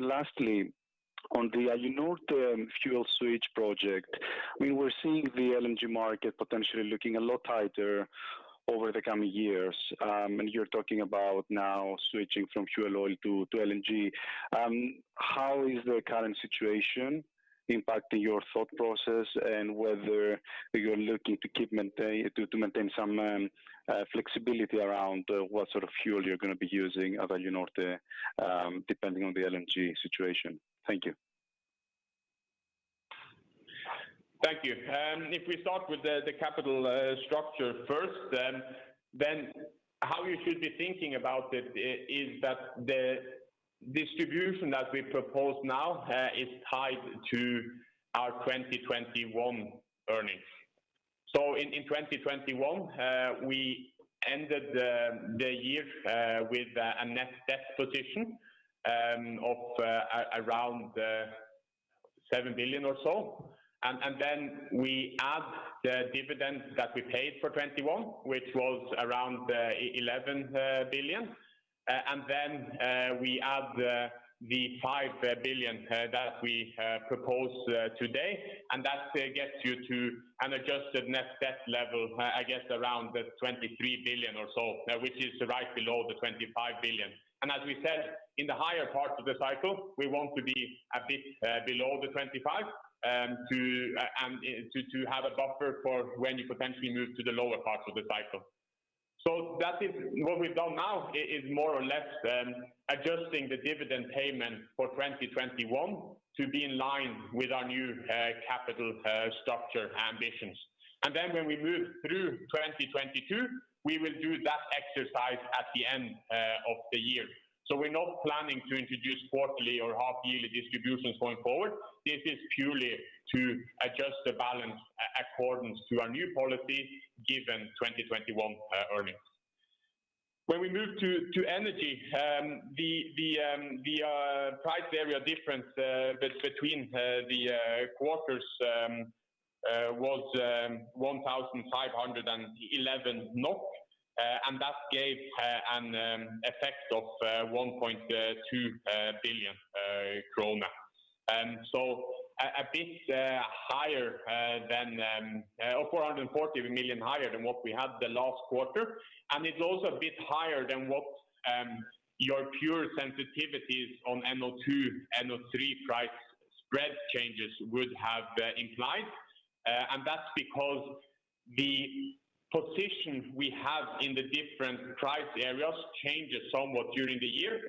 Lastly, on the Alunorte fuel switch project, we were seeing the LNG market potentially looking a lot tighter over the coming years. You're talking about now switching from fuel oil to LNG. How is the current situation impacting your thought process and whether you're looking to maintain some flexibility around what sort of fuel you're gonna be using at Alunorte, depending on the LNG situation? Thank you. Thank you. If we start with the capital structure first, then how you should be thinking about it is that the distribution that we propose now is tied to our 2021 earnings. In 2021, we ended the year with a net debt position of around 7 billion or so. Then we add the dividend that we paid for 2021, which was around 11 billion. Then we add the 5 billion that we propose today. That gets you to an adjusted net debt level, I guess around the 23 billion or so, which is right below the 25 billion. As we said, in the higher parts of the cycle, we want to be a bit below the 25% to have a buffer for when you potentially move to the lower parts of the cycle. That is what we've done now is more or less adjusting the dividend payment for 2021 to be in line with our new capital structure ambitions. Then when we move through 2022, we will do that exercise at the end of the year. We're not planning to introduce quarterly or half-yearly distributions going forward. This is purely to adjust the balance in accordance with our new policy given 2021 earnings. When we move to energy, the price area difference between the quarters was 1,511 million NOK, and that gave an effect of 1.2 billion krone. A bit higher, or 440 million higher than what we had the last quarter. It's also a bit higher than what your pure sensitivities on NO2, NO3 price spread changes would have implied. That's because the position we have in the different price areas changes somewhat during the year.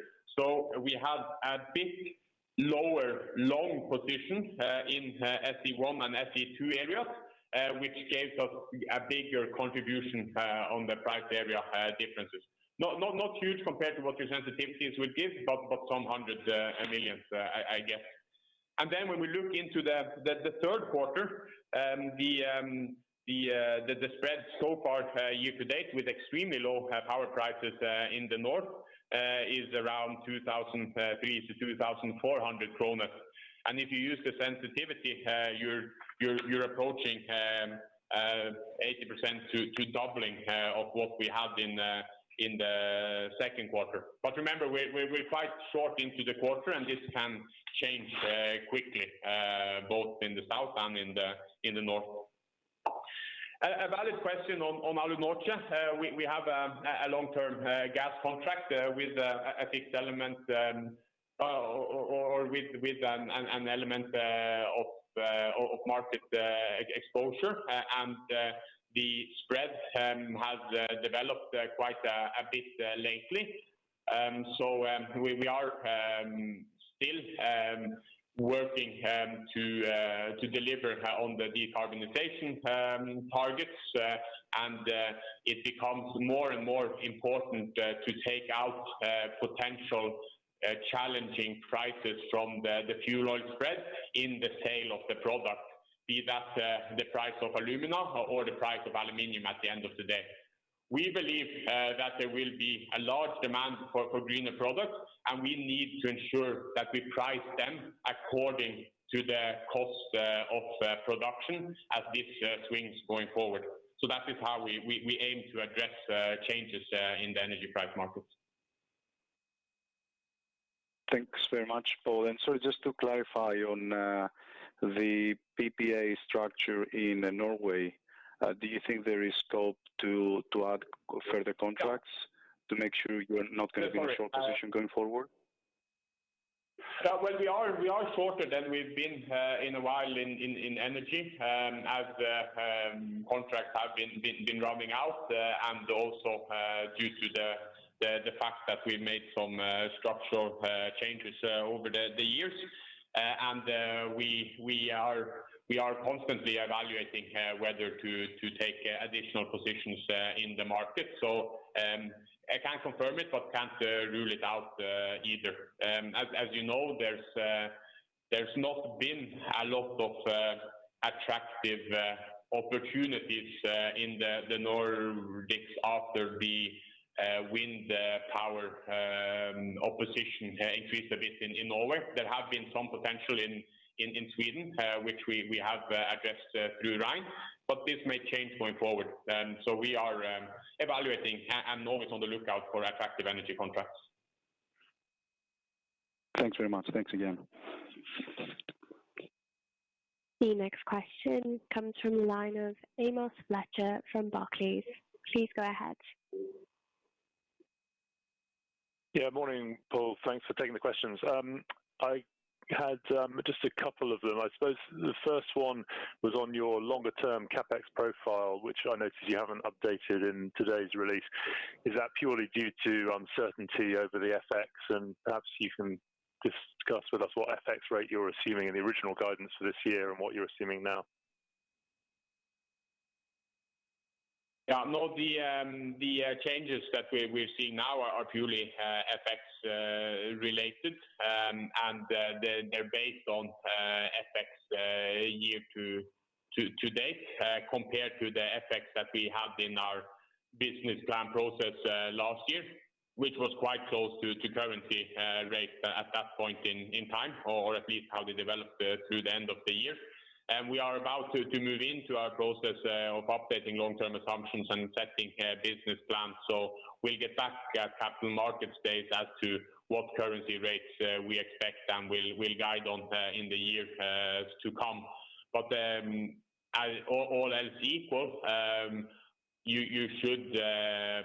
We have a bit lower long positions in SE1 and SE2 areas, which gave us a bigger contribution on the price area differences. Not huge compared to what your sensitivities would give, but some hundred millions NOK, I guess. When we look into the third quarter, the spread so far year to date with extremely low power prices in the north is around 2,000 NOK-2,400 NOK. If you use the sensitivity, you're approaching 80% to doubling of what we had in the second quarter. Remember, we're quite short into the quarter, and this can change quickly both in the south and in the north. A valid question on Alunorte. We have a long-term gas contract with a fixed element or with an element of market exposure. The spread has developed quite a bit lately. We are still working to deliver on the decarbonization targets. It becomes more and more important to take out potential challenging prices from the fuel oil spread in the sale of the product. Be that the price of alumina or the price of aluminum at the end of the day. We believe that there will be a large demand for greener products, and we need to ensure that we price them according to the cost of production as this swings going forward. That is how we aim to address changes in the energy price markets. Thanks very much, Pål. Just to clarify on the PPA structure in Norway, do you think there is scope to add further contracts to make sure you're not gonna be in a short position going forward? Well, we are shorter than we've been in a while in energy. Contracts have been running out and also due to the fact that we made some structural changes over the years. We are constantly evaluating whether to take additional positions in the market. I can't confirm it but can't rule it out either. As you know, there's not been a lot of attractive opportunities in the Nordics after the wind power opposition increased a bit in Norway. There have been some potential in Sweden which we have addressed through Rein. This may change going forward. We are evaluating and always on the lookout for attractive energy contracts. Thanks very much. Thanks again. The next question comes from the line of Amos Fletcher from Barclays. Please go ahead. Yeah, morning, Pål. Thanks for taking the questions. I had just a couple of them. I suppose the first one was on your longer term CapEx profile, which I noticed you haven't updated in today's release. Is that purely due to uncertainty over the FX? Perhaps you can discuss with us what FX rate you're assuming in the original guidance for this year and what you're assuming now. Yeah. No, the changes that we're seeing now are purely FX related. They're based on FX year to date compared to the FX that we had in our business plan process last year, which was quite close to currency rate at that point in time, or at least how they developed through the end of the year. We are about to move into our process of updating long-term assumptions and setting business plans. We'll get back at Capital Markets Day as to what currency rates we expect and we'll guide on in the year to come. All else equal, you should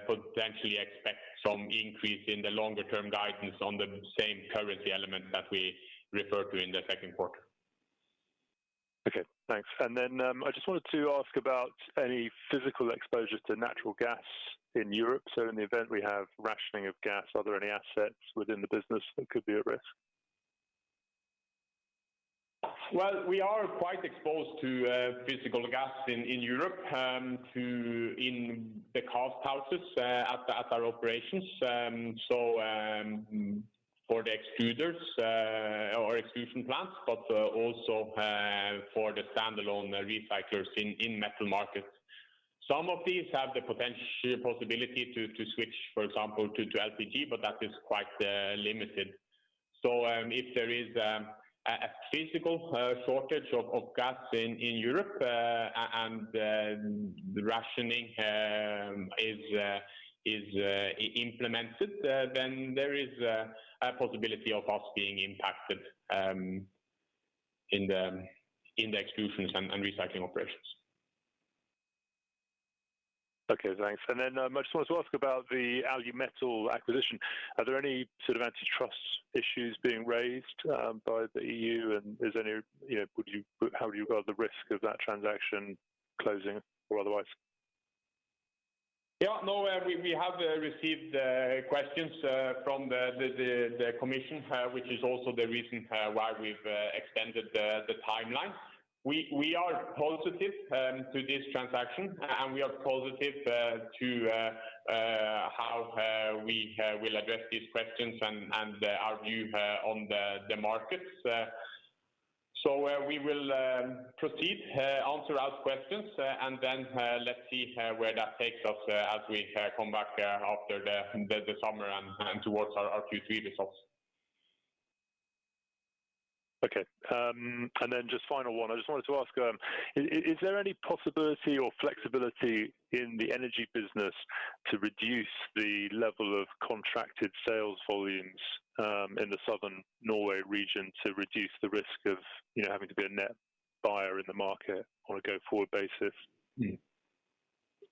potentially expect some increase in the longer term guidance on the same currency element that we referred to in the second quarter. Okay, thanks. I just wanted to ask about any physical exposure to natural gas in Europe. In the event we have rationing of gas, are there any assets within the business that could be at risk? Well, we are quite exposed to physical gas in Europe in the cast houses at our operations. For the extruders or extrusion plants, but also for the standalone recyclers in metal markets. Some of these have the potential possibility to switch, for example, to LPG, but that is quite limited. If there is a physical shortage of gas in Europe and the rationing is implemented, then there is a possibility of us being impacted in the Extrusions and recycling operations. Okay, thanks. I just wanted to ask about the Alumetal acquisition. Are there any sort of antitrust issues being raised by the EU? You know, how do you regard the risk of that transaction closing or otherwise? No, we have received questions from the European Commission, which is also the reason why we've extended the timeline. We are positive to this transaction, and we are positive to how we will address these questions and our view on the markets. We will proceed to answer the questions, and then let's see where that takes us as we come back after the summer and towards our Q3 results. Just final one. I just wanted to ask, is there any possibility or flexibility in the energy business to reduce the level of contracted sales volumes in the Southern Norway region to reduce the risk of, you know, having to be a net buyer in the market on a go-forward basis? Over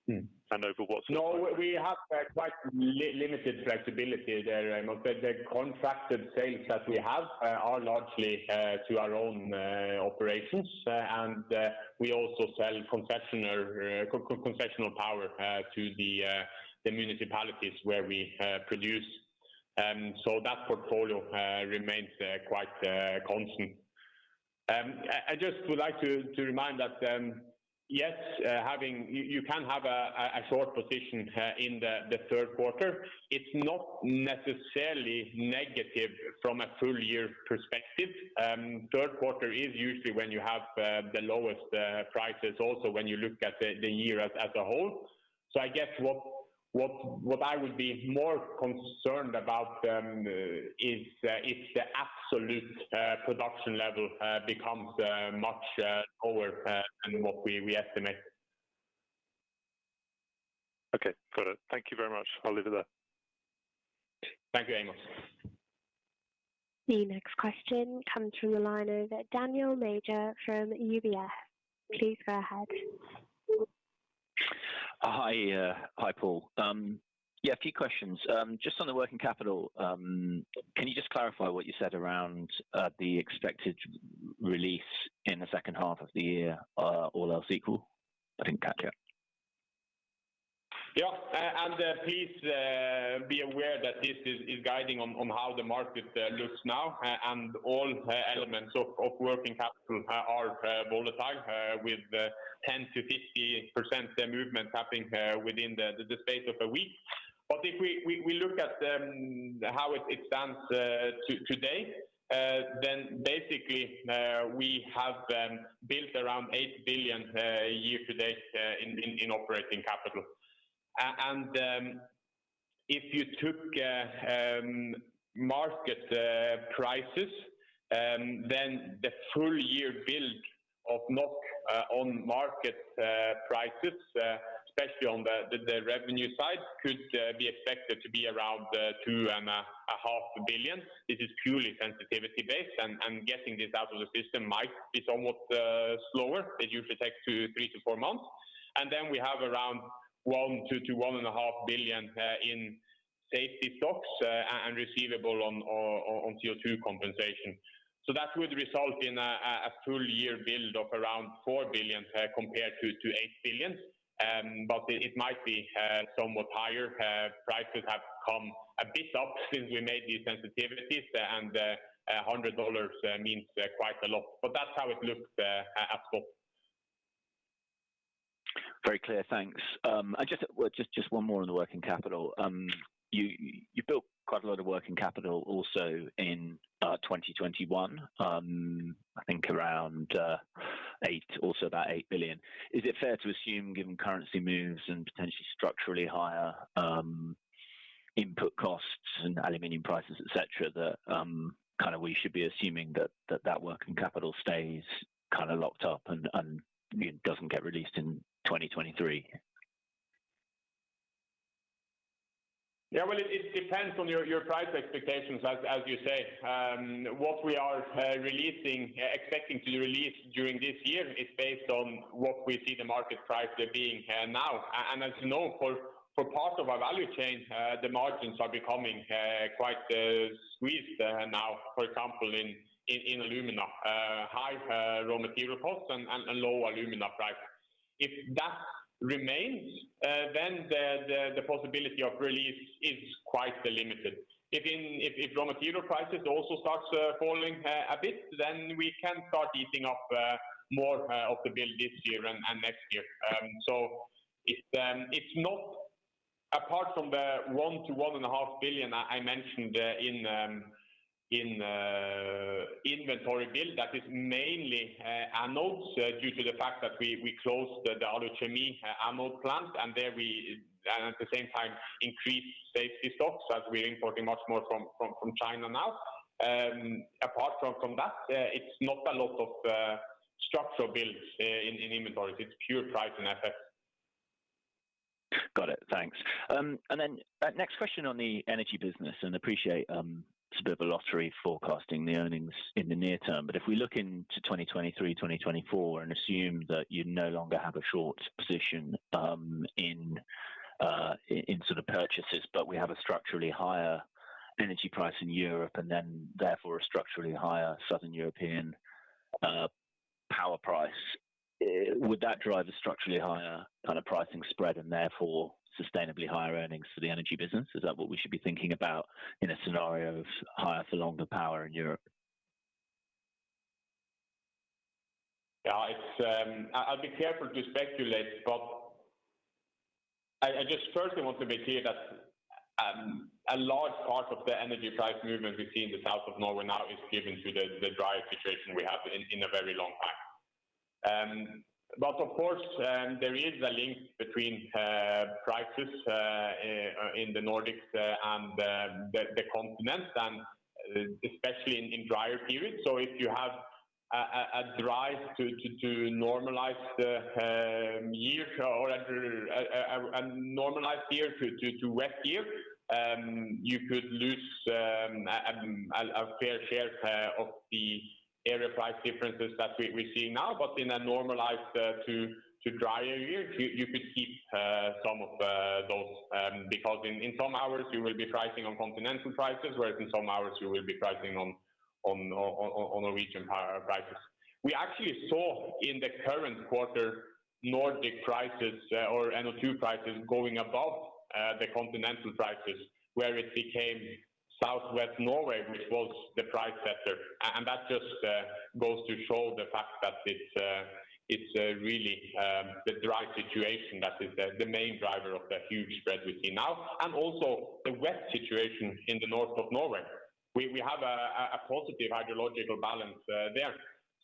what sort of? No, we have quite limited flexibility there, Amos. The contracted sales that we have are largely to our own operations. We also sell concessional power to the municipalities where we produce. That portfolio remains quite constant. I just would like to remind that yes, you can have a short position in the third quarter. It's not necessarily negative from a full year perspective. Third quarter is usually when you have the lowest prices also when you look at the year as a whole. I guess what I would be more concerned about is if the absolute production level becomes much lower than what we estimate. Okay. Got it. Thank you very much. I'll leave it there. Thank you, Amos. The next question comes from the line of Daniel Major from UBS. Please go ahead. Hi, hi Pål. Yeah, a few questions. Just on the working capital, can you just clarify what you said around the expected release in the second half of the year, all else equal? I didn't catch it. Yeah. Please be aware that this is guiding on how the market looks now and all elements of working capital are volatile with 10%-50% the movement happening within the space of a week. If we look at how it stands today, then basically we have built around 8 billion year to date in working capital. If you took market prices, then the full year build of NOK on market prices, especially on the revenue side, could be expected to be around 2.5 billion. This is purely sensitivity based and getting this out of the system might be somewhat slower. It usually takes two. Three-four months. Then we have around 1-1.5 billion in safety stocks and receivable on CO2 compensation. That would result in a full year build of around 4 billion compared to 8 billion. It might be somewhat higher. Prices have come a bit up since we made these sensitivities, and $100 means quite a lot. That's how it looks at the moment. Very clear. Thanks. Well, just one more on the working capital. You built quite a lot of working capital also in 2021. I think around eight, also about 8 billion. Is it fair to assume, given currency moves and potentially structurally higher input costs and aluminum prices, et cetera, that kind of we should be assuming that that working capital stays kind of locked up and it doesn't get released in 2023? Well, it depends on your price expectations as you say. What we are expecting to release during this year is based on what we see the market price being now. As you know, for part of our value chain, the margins are becoming quite squeezed now, for example, in alumina. High raw material costs and a low alumina price. If that remains, then the possibility of release is quite limited. If raw material prices also starts falling a bit, then we can start eating up more of the build this year and next year. It’s not apart from the 1 billion-1.5 billion I mentioned in inventory build. That is mainly anodes due to the fact that we closed the other chemical anode plant, and, at the same time, increased safety stocks as we're importing much more from China now. Apart from that, it's not a lot of structural builds in inventories. It's pure price and FX. Got it. Thanks. Next question on the energy business, and I appreciate it's a bit of a lottery forecasting the earnings in the near term. If we look into 2023-2024 and assume that you no longer have a short position in sort of purchases, but we have a structurally higher energy price in Europe, and then therefore a structurally higher Southern European power price. Would that drive a structurally higher kind of pricing spread and therefore sustainably higher earnings for the energy business? Is that what we should be thinking about in a scenario of higher for longer power in Europe? I'll be careful to speculate, but I just first want to be clear that a large part of the energy price movement we see in the south of Norway now is due to the dry situation we have for a very long time. Of course, there is a link between prices in the Nordics and the continent, and especially in drier periods. If you have a dry to normalized year or a normalized year to wet year, you could lose a fair share of the area price differences that we're seeing now. In a normalized to drier year, you could keep some of those because in some hours you will be pricing on continental prices, whereas in some hours you will be pricing on Norwegian power prices. We actually saw in the current quarter Nordic prices or NO2 prices going above the continental prices, where it became southwest Norway, which was the price setter. That just goes to show the fact that it's really the dry situation that is the main driver of the huge spread we see now. Also the wet situation in the north of Norway. We have a positive hydrological balance there.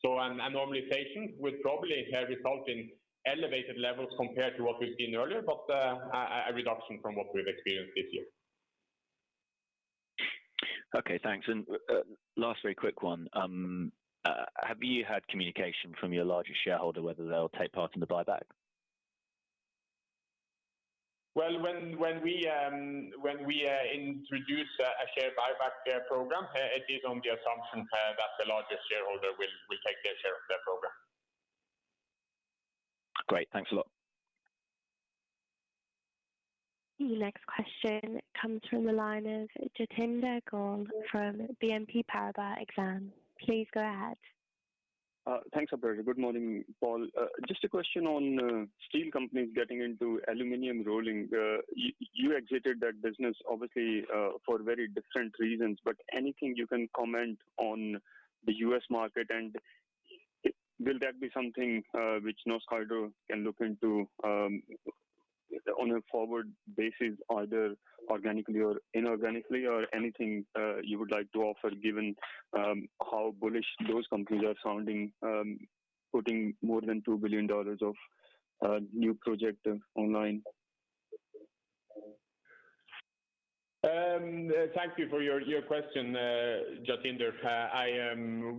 A normalization would probably result in elevated levels compared to what we've seen earlier, but a reduction from what we've experienced this year. Okay, thanks. Last very quick one. Have you had communication from your largest shareholder whether they'll take part in the buyback? Well, when we introduce a share buyback program, it is on the assumption that the largest shareholder will take their share of that program. Great. Thanks a lot. The next question comes from the line of Jatinder Goel from BNP Paribas Exane. Please go ahead. Thanks, operator. Good morning, Pål. Just a question on steel companies getting into aluminum rolling. You exited that business obviously for very different reasons, but anything you can comment on the U.S. market, and will that be something which Norsk Hydro can look into on a forward basis, either organically or inorganically or anything you would like to offer given how bullish those companies are sounding, putting more than $2 billion of new project online? Thank you for your question, Jatinder.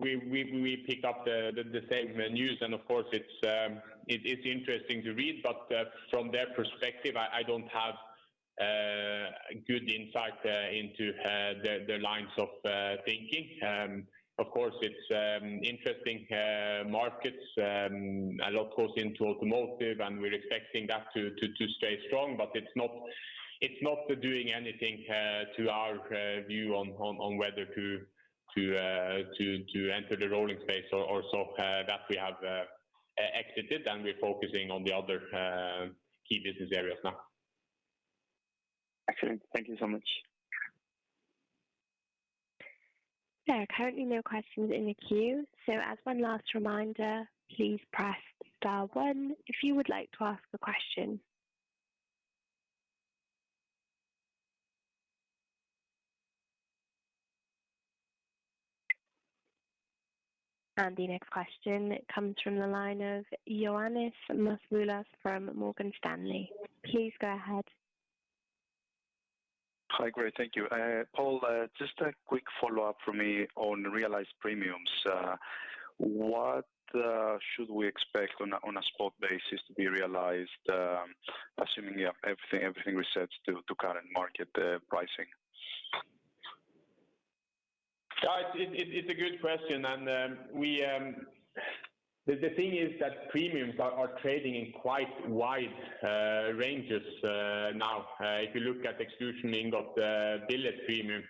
We picked up the same news, and of course it is interesting to read. From their perspective, I don't have good insight into their lines of thinking. Of course, it's interesting markets. A lot goes into automotive, and we're expecting that to stay strong. It's not doing anything to our view on whether to enter the rolling space or so that we have exited, and we're focusing on the other key business areas now. Excellent. Thank you so much. There are currently no questions in the queue. As one last reminder, please press star one if you would like to ask a question. The next question comes from the line of Ioannis Masvoulas from Morgan Stanley. Please go ahead. Hi. Great. Thank you. Pål, just a quick follow-up from me on realized premiums. What should we expect on a spot basis to be realized, assuming everything resets to current market pricing? It's a good question. The thing is that premiums are trading in quite wide ranges now. If you look at extrusion ingot billet premium,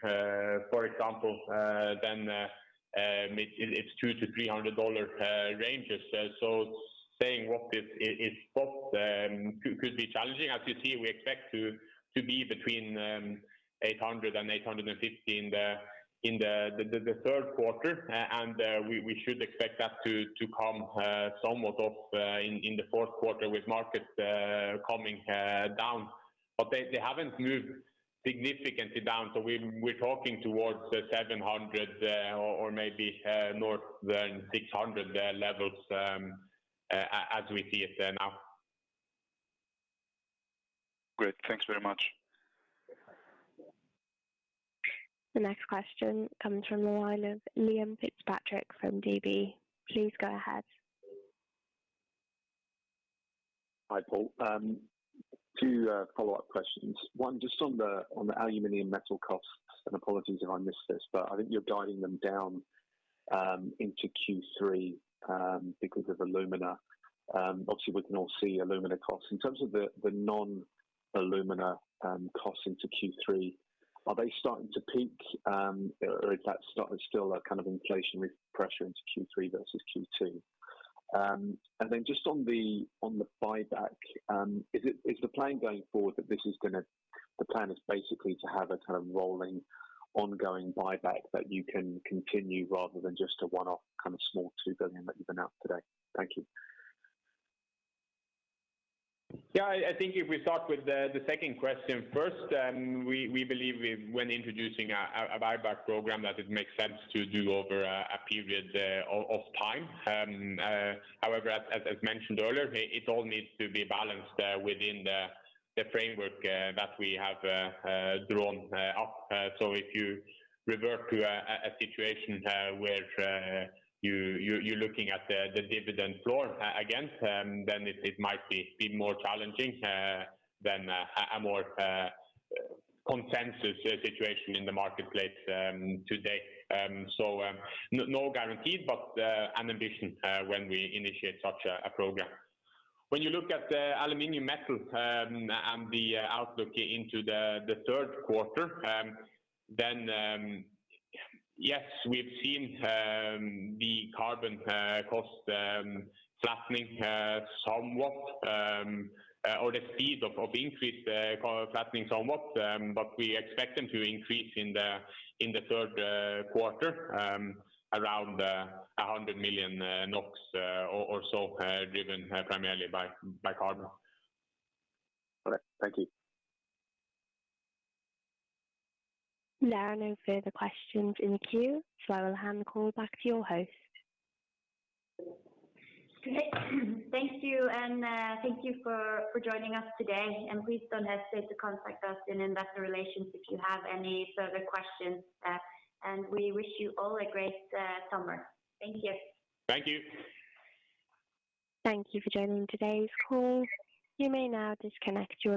for example, then it's $200-$300 ranges. So saying what is spot could be challenging. As you see, we expect to be between $800 and $850 in the third quarter. We should expect that to come somewhat off in the fourth quarter with markets coming down. They haven't moved significantly down, so we're talking towards the $700 or maybe north of $600 levels, as we see it now. Great. Thanks very much. The next question comes from the line of Liam Fitzpatrick from Deutsche Bank. Please go ahead. Hi, Pål. Two follow-up questions. One, just on the aluminum metal costs, and apologies if I missed this, but I think you're guiding them down into Q3 because of alumina. Obviously we can all see alumina costs. In terms of the non-alumina costs into Q3, are they starting to peak or is that still a kind of inflationary pressure into Q3 versus Q2? And then just on the buyback, is the plan going forward basically to have a kind of rolling ongoing buyback that you can continue rather than just a one-off kind of small 2 billion that you've announced today? Thank you. Yeah. I think if we start with the second question first, we believe when introducing a buyback program that it makes sense to do over a period of time. However, as mentioned earlier, it all needs to be balanced within the framework that we have drawn up. If you revert to a situation where you are looking at the dividend floor again, then it might be more challenging than a more consensus situation in the marketplace today. No guarantees but an ambition when we initiate such a program. When you look at the aluminum metal and the outlook into the third quarter, then yes, we've seen the carbon cost flattening somewhat, or the speed of increase flattening somewhat. We expect them to increase in the third quarter around 100 million NOK or so, driven primarily by carbon. All right. Thank you. There are no further questions in the queue, so I will hand the call back to your host. Okay. Thank you. Thank you for joining us today. Please don't hesitate to contact us in Investor Relations if you have any further questions. We wish you all a great summer. Thank you. Thank you. Thank you for joining today's call. You may now disconnect your line.